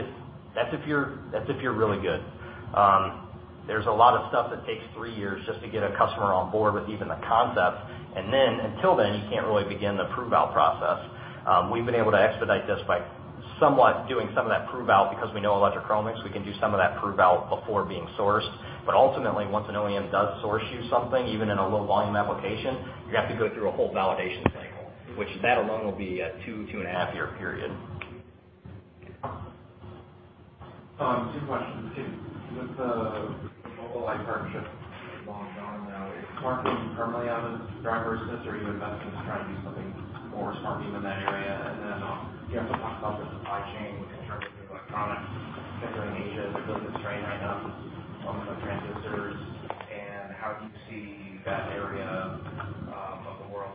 if you're really good. There's a lot of stuff that takes three years just to get a customer on board with even the concept, and then until then, you can't really begin the prove-out process. We've been able to expedite this by somewhat doing some of that prove-out because we know electrochromics, we can do some of that prove out before being sourced. Ultimately, once an OEM does source you something, even in a low volume application, you have to go through a whole validation cycle, which that alone will be a two and a half year period.
Two questions. With the Mobileye partnership well underway now, is SmartBeam permanently out of the driver's seat? Are you investing in trying to do something more SmartBeam in that area? You have to talk about the supply chain in terms of electronics, particularly in Asia, the ability to train right now on the transistors and how you see that area of the world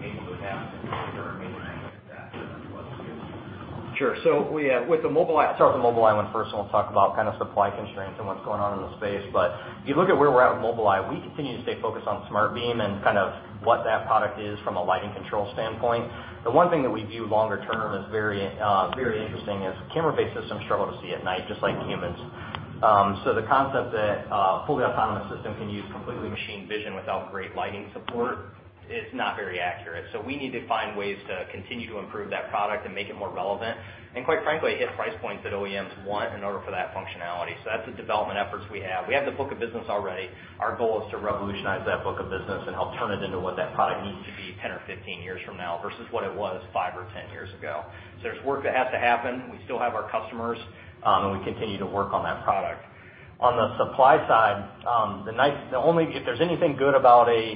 maybe adapting or maintaining that for the next little bit.
Sure. We start with the Mobileye one first, and we'll talk about supply constraints and what's going on in the space. If you look at where we're at with Mobileye, we continue to stay focused on SmartBeam and what that product is from a lighting control standpoint. The one thing that we view longer term as very interesting is camera-based systems struggle to see at night, just like humans. The concept that a fully autonomous system can use completely machine vision without great lighting support is not very accurate. We need to find ways to continue to improve that product and make it more relevant, and quite frankly, hit price points that OEMs want in order for that functionality. That's the development efforts we have. We have the book of business already. Our goal is to revolutionize that book of business and help turn it into what that product needs to be 10 or 15 years from now versus what it was five or 10 years ago. There's work that has to happen. We still have our customers, and we continue to work on that product. On the supply side, if there's anything good about a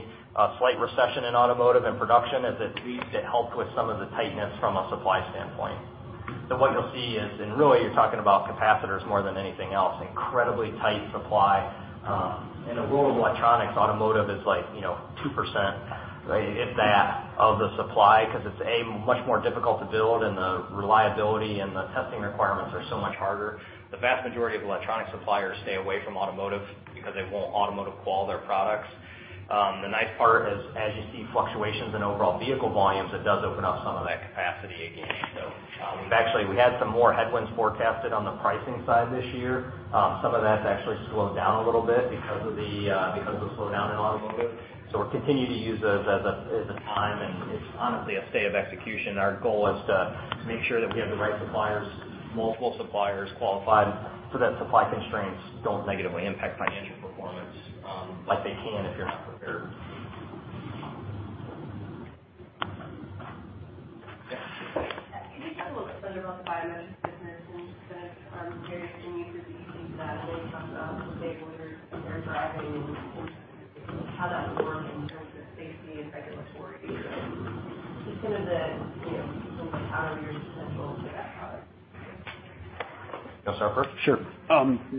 slight recession in automotive and production is at least it helped with some of the tightness from a supply standpoint. What you'll see is, and really you're talking about capacitors more than anything else, incredibly tight supply. In the world of electronics, automotive is 2%, if that, of the supply because it's, A, much more difficult to build and the reliability and the testing requirements are so much harder. The vast majority of electronic suppliers stay away from automotive because they won't automotive qual their products. The nice part is, as you see fluctuations in overall vehicle volumes, it does open up some of that capacity again. We've actually had some more headwinds forecasted on the pricing side this year. Some of that's actually slowed down a little bit because of the slowdown in automotive. We'll continue to use those as a time, and it's honestly a stay of execution. Our goal is to make sure that we have the right suppliers, multiple suppliers qualified so that supply constraints don't negatively impact financial performance like they can if you're not prepared.
Can you talk a little bit further about the Biometrics business and the various new features that you think that will come to table when you're driving and how that will work in terms of safety and regulatory? Just kind of the potential for that product.
You want to start first?
Sure.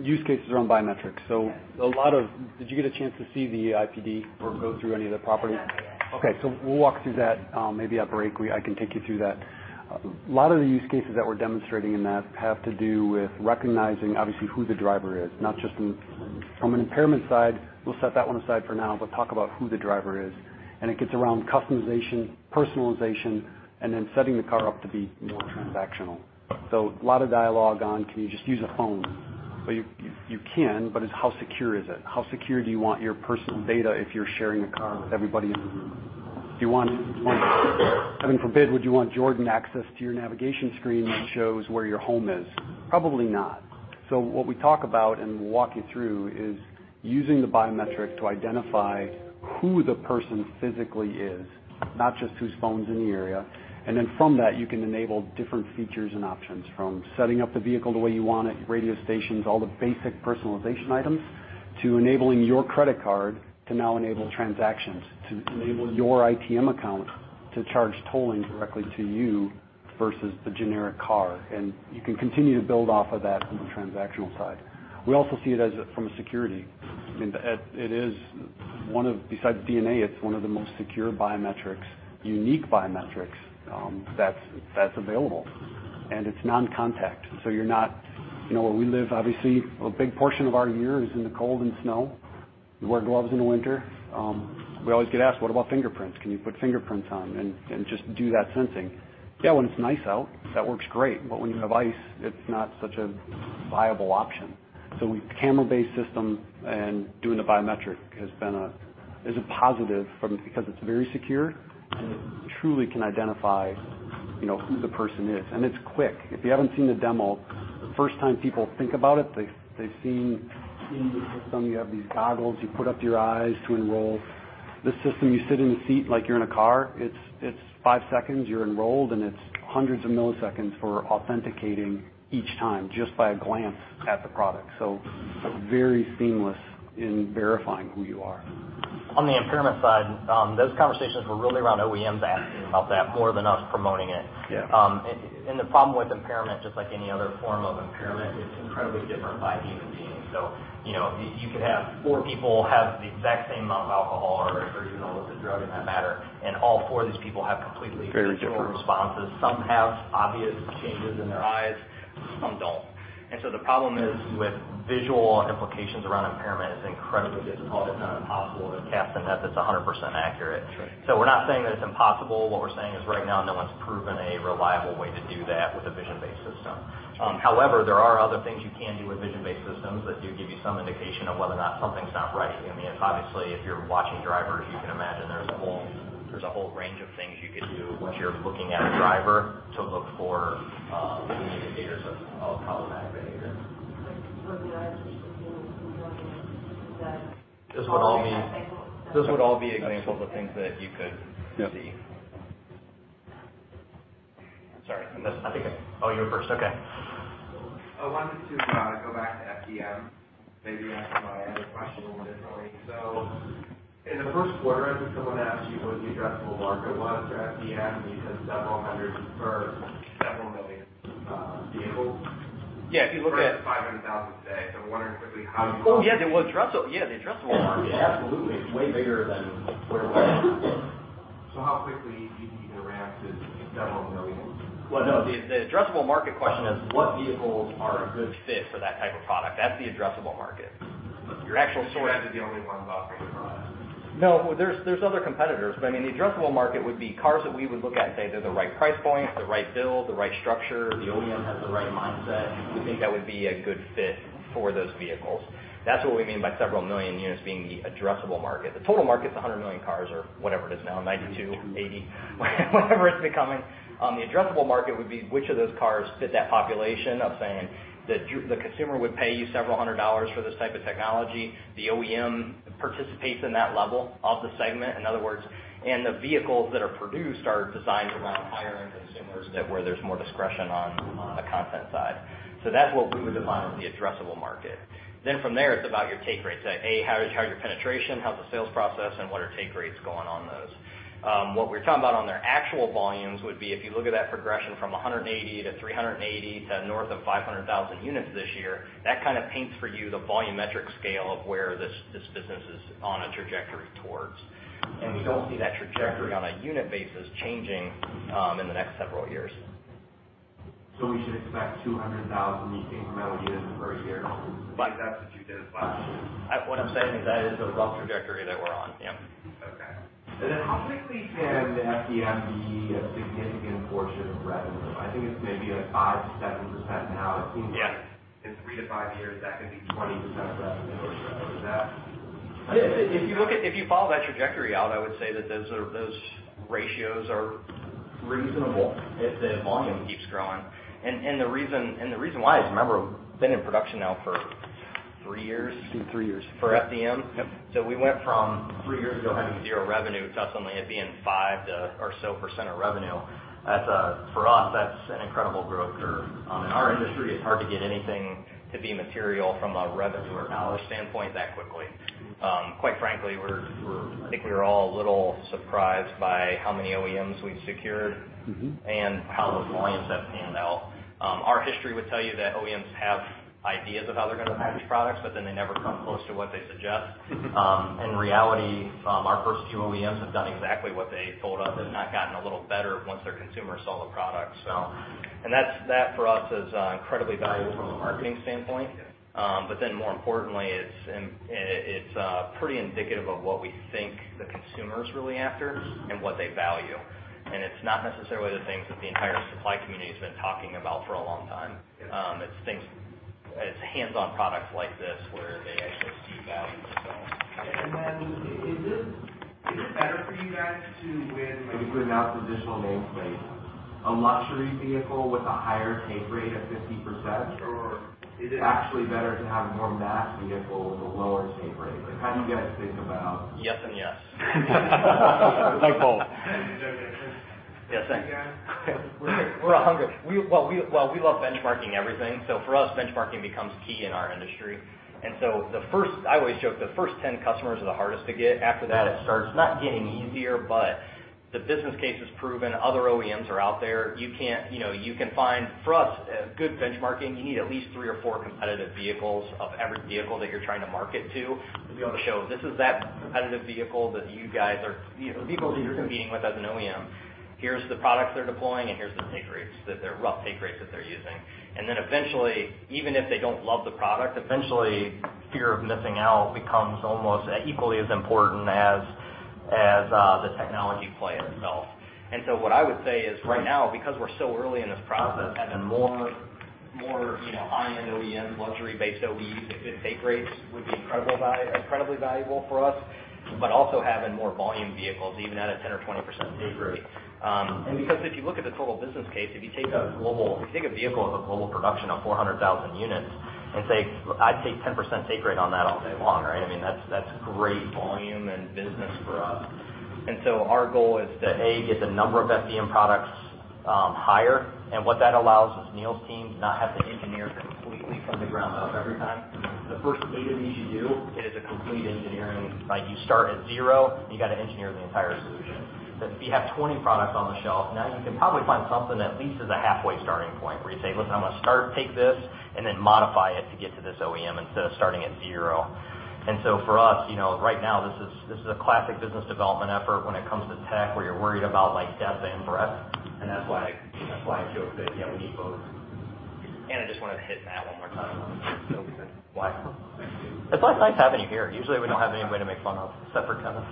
Use cases around Biometrics.
Okay.
Did you get a chance to see the IPD or go through any of the property?
Yes.
Okay. We'll walk through that. Maybe at break, I can take you through that. A lot of the use cases that we're demonstrating in that have to do with recognizing obviously who the driver is, not just from an impairment side. We'll set that one aside for now, but talk about who the driver is, and it gets around customization, personalization, and then setting the car up to be more transactional. A lot of dialogue on can you just use a phone? You can, but it's how secure is it? How secure do you want your personal data if you're sharing a car with everybody in the room? Heaven forbid, would you want Jordan access to your navigation screen that shows where your home is? Probably not. What we talk about and walk you through is using the Biometrics to identify who the person physically is, not just whose phone's in the area. From that, you can enable different features and options from setting up the vehicle the way you want it, radio stations, all the basic personalization items. To enabling your credit card to now enable transactions, to enable your ITM account to charge tolling directly to you versus the generic car. You can continue to build off of that from the transactional side. We also see it from a security. Besides DNA, it's one of the most secure biometrics, unique biometrics, that's available. It's non-contact. Where we live, obviously, a big portion of our year is in the cold and snow. We wear gloves in the winter. We always get asked, "What about fingerprints? Can you put fingerprints on and just do that sensing? Yeah, when it's nice out, that works great. When you have ice, it's not such a viable option. The camera-based system and doing the biometric is a positive because it's very secure, and it truly can identify who the person is, and it's quick. If you haven't seen the demo, first time people think about it, they've seen the system. You have these goggles you put up to your eyes to enroll. This system, you sit in the seat like you're in a car. It's five seconds, you're enrolled, and it's hundreds of milliseconds for authenticating each time just by a glance at the product. Very seamless in verifying who you are.
On the impairment side, those conversations were really around OEMs asking about that more than us promoting it.
Yeah.
The problem with impairment, just like any other form of impairment, it's incredibly different by human being. You could have four people have the exact same amount of alcohol or even with a drug in that matter.
Very different.
visual responses. Some have obvious changes in their eyes, some don't. The problem is with visual implications around impairment, it's incredibly difficult, if not impossible, to cast a net that's 100% accurate.
Sure.
We're not saying that it's impossible. What we're saying is right now, no one's proven a reliable way to do that with a vision-based system.
Sure.
There are other things you can do with vision-based systems that do give you some indication of whether or not something's not right. Obviously, if you're watching drivers, you can imagine there's a whole range of things you could do once you're looking at a driver to look for indicators of problematic behavior. Those would all be examples of things that you could see.
Yeah.
Sorry. Oh, you were first. Okay.
I wanted to go back to FDM, maybe answer my other question a little differently. In the first quarter, I think someone asked you what the addressable market was for FDM, and you said several hundred, or several million vehicles.
Yeah.
For the $500,000 today. I'm wondering quickly how you-
Oh, yeah. The addressable market. Absolutely. It's way bigger than where we are.
How quickly do you think you can ramp to $ several million?
Well, no, the addressable market question is what vehicles are a good fit for that type of product. That's the addressable market.
You guys are the only ones offering the product.
No, there's other competitors, but the addressable market would be cars that we would look at and say they're the right price point, the right build, the right structure. The OEM has the right mindset. We think that would be a good fit for those vehicles. That's what we mean by several million units being the addressable market. The total market's 100 million cars or whatever it is now, 92, 80, whatever it's becoming. The addressable market would be which of those cars fit that population of saying that the consumer would pay you several hundred dollars for this type of technology. The OEM participates in that level of the segment, in other words, and the vehicles that are produced are designed around higher-end consumers that where there's more discretion on the content side. That's what we would define as the addressable market. From there, it's about your take rates. How's your penetration? How's the sales process, and what are take rates going on those? What we're talking about on their actual volumes would be if you look at that progression from 180-380 to north of 500,000 units this year, that kind of paints for you the volumetric scale of where this business is on a trajectory towards. We don't see that trajectory on a unit basis changing in the next several years.
We should expect 200,000 incremental units per year?
Like-
That's what you did last year.
What I'm saying is that is the growth trajectory that we're on. Yep.
Okay. How quickly can FDM be a significant portion of revenue? I think it's maybe at 5%-7% now.
Yeah.
It seems like in three to five years, that could be 20% of revenue or so. Is that-
Yeah. If you follow that trajectory out, I would say that those ratios are reasonable if the volume keeps growing. The reason why is, remember, we've been in production now for three years?
It's been three years.
For FDM?
Yep.
We went from three years ago, having zero revenue to suddenly it being 5% or so % of revenue. For us, that's an incredible growth curve. In our industry, it's hard to get anything to be material from a revenue or dollar standpoint that quickly. Quite frankly, I think we were all a little surprised by how many OEMs we've secured. How those volumes have panned out. Our history would tell you that OEMs have ideas of how they're going to manage products, but then they never come close to what they suggest. In reality, our first two OEMs have done exactly what they told us and gotten a little better once their consumers saw the product. That for us is incredibly valuable from a marketing standpoint.
Yeah.
More importantly, it's pretty indicative of what we think the consumer's really after and what they value. It's not necessarily the things that the entire supply community's been talking about for a long time.
Yeah.
It's hands-on products like this where they actually see value.
Is it better for you guys to, when you announce additional names, like a luxury vehicle with a higher take rate of 50%, or is it actually better to have more mass vehicle with a lower take rate?
Yes, and yes.
Like both.
Okay.
Yes, thanks. We're hungry. Well, we love benchmarking everything, for us, benchmarking becomes key in our industry. I always joke the first 10 customers are the hardest to get. After that, it starts not getting easier, but the business case is proven. Other OEMs are out there. For us, good benchmarking, you need at least three or four competitive vehicles of every vehicle that you're trying to market to-
To be able to show-
to be able to show this is that competitive vehicle, the vehicle that you're competing with as an OEM. Here's the products they're deploying and here's the take rates, their rough take rates that they're using. Eventually, even if they don't love the product, eventually fear of missing out becomes almost equally as important as the technology play itself. What I would say is right now, because we're so early in this process, having more high-end OEM, luxury-based OE take rates would be incredibly valuable for us, but also having more volume vehicles, even at a 10% or 20% take rate. Because if you look at the total business case, if you take a vehicle as a global production of 400,000 units and say, I'd take 10% take rate on that all day long, right? I mean, that's great volume and business for us. Our goal is to, A, get the number of FDM products higher. What that allows is Neil's team to not have to engineer completely from the ground up every time. The first thing you need to do is a complete engineering, like you start at zero and you got to engineer the entire solution. If you have 20 products on the shelf, now you can probably find something that at least is a halfway starting point where you say, "Listen, I'm going to start, take this, and then modify it to get to this OEM instead of starting at zero." For us, right now, this is a classic business development effort when it comes to tech, where you're worried about depth and breadth. That's why I joke that we need both. I just wanted to hit Matt one more time.
Okay.
Why?
Thank you.
It's always nice having you here. Usually, we don't have anybody to make fun of, except for Kenneth.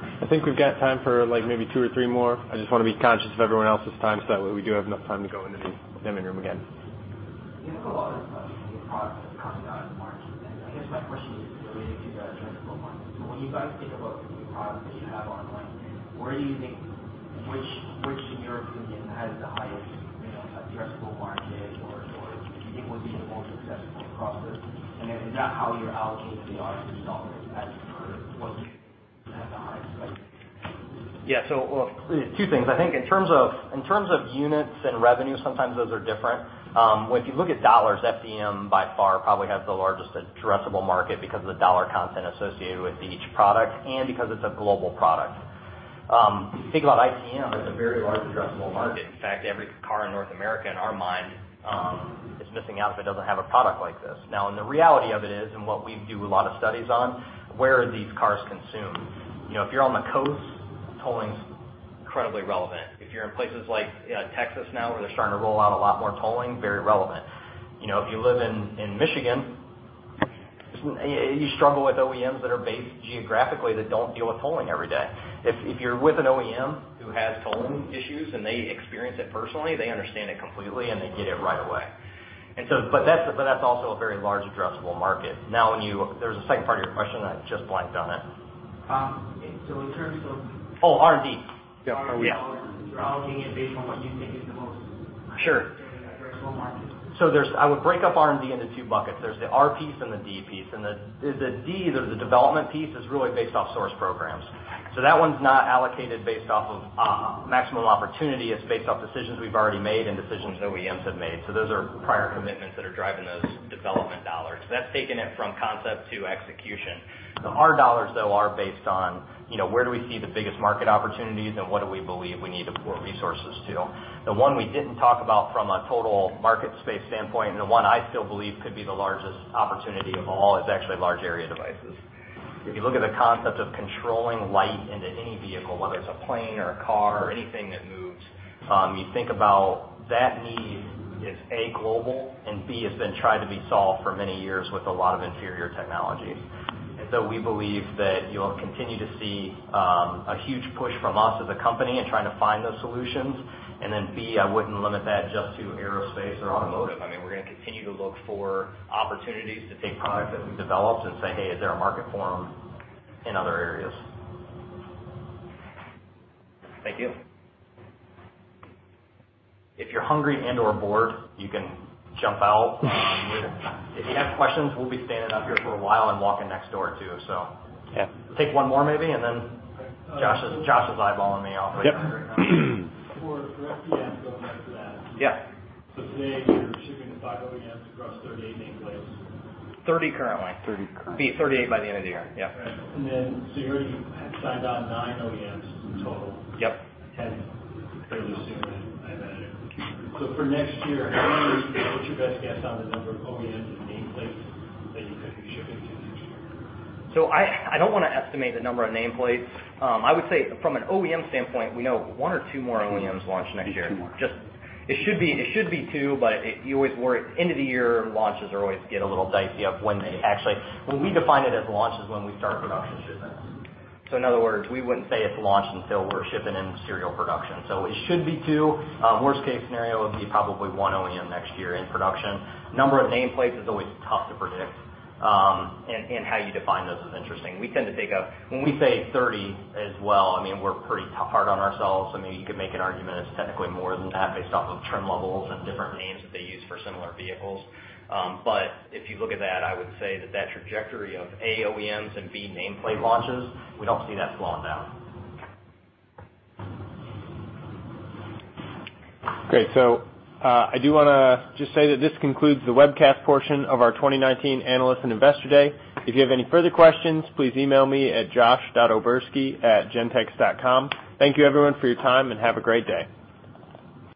I think we've got time for maybe two or three more. I just want to be conscious of everyone else's time, so that way we do have enough time to go into the demo room again.
You have a lot of new products that are coming out in the market. I guess my question is related to the addressable market. When you guys think about the new products that you have on the line, which, in your opinion, has the highest addressable market? Do you think would be the most successful process? Is that how you're allocating the R&D dollars as per what you have the highest.
Yeah. Two things. I think in terms of units and revenue, sometimes those are different. If you look at $, FDM by far probably has the largest addressable market because of the $ content associated with each product and because it's a global product. If you think about ITM, it's a very large addressable market. In fact, every car in North America in our mind, is missing out if it doesn't have a product like this. Now, the reality of it is, and what we do a lot of studies on, where are these cars consumed? If you're on the coast, tolling's incredibly relevant. If you're in places like Texas now, where they're starting to roll out a lot more tolling, very relevant. If you live in Michigan, you struggle with OEMs that are based geographically that don't deal with tolling every day. If you're with an OEM who has tolling issues and they experience it personally, they understand it completely, and they get it right away. That's also a very large addressable market. There was a second part of your question, I just blanked on it.
So in terms of-
Oh, R&D.
Yeah. Oh, yeah.
R&D U.S. dollars. You're allocating it based on what you think is the most.
Sure
addressable market.
I would break up R&D into two buckets. There's the R piece and the D piece, the D, the development piece is really based off source programs. That one's not allocated based off of maximum opportunity. It's based off decisions we've already made and decisions OEMs have made. Those are prior commitments that are driving those development dollars. That's taken it from concept to execution. The R dollars, though, are based on where do we see the biggest market opportunities and what do we believe we need to pour resources to? The one we didn't talk about from a total market space standpoint, the one I still believe could be the largest opportunity of all, is actually large area devices. If you look at the concept of controlling light into any vehicle, whether it's a plane or a car or anything that moves, you think about that need is, A, global, and B, it's been tried to be solved for many years with a lot of inferior technology. We believe that you'll continue to see a huge push from us as a company in trying to find those solutions. Then, B, I wouldn't limit that just to aerospace or automotive. I mean, we're going to continue to look for opportunities to take products that we've developed and say, "Hey, is there a market for them in other areas?
Thank you.
If you're hungry and/or bored, you can jump out. If you have questions, we'll be standing up here for a while and walking next door too.
Yeah.
Take one more maybe, and then Josh is eyeballing me off.
Yep.
For FDM, going back to that.
Yeah.
Today you're shipping to five OEMs across 38 nameplates.
30 currently.
30 currently.
It'll be 38 by the end of the year. Yeah.
Right. You already signed on nine OEMs in total.
Yep.
Fairly soon, I imagine. For next year, what's your best guess on the number of OEMs and nameplates that you could be shipping to next year?
I don't want to estimate the number of nameplates. I would say from an OEM standpoint, we know one or two more OEMs launch next year.
Maybe two more.
It should be two, but you always worry end of the year launches always get a little dicey of when they actually. We define it as launch is when we start production shipping. In other words, we wouldn't say it's a launch until we're shipping in serial production. It should be two. Worst case scenario, it would be probably one OEM next year in production. Number of nameplates is always tough to predict. How you define those is interesting. When we say 30 as well, I mean, we're pretty hard on ourselves. I mean, you could make an argument it's technically more than that based off of trim levels and different names that they use for similar vehicles. If you look at that, I would say that that trajectory of, A, OEMs and, B, nameplate launches, we don't see that slowing down.
Great. I do want to just say that this concludes the webcast portion of our 2019 Analyst and Investor Day. If you have any further questions, please email me at josh.oberski@gentex.com. Thank you everyone for your time, and have a great day.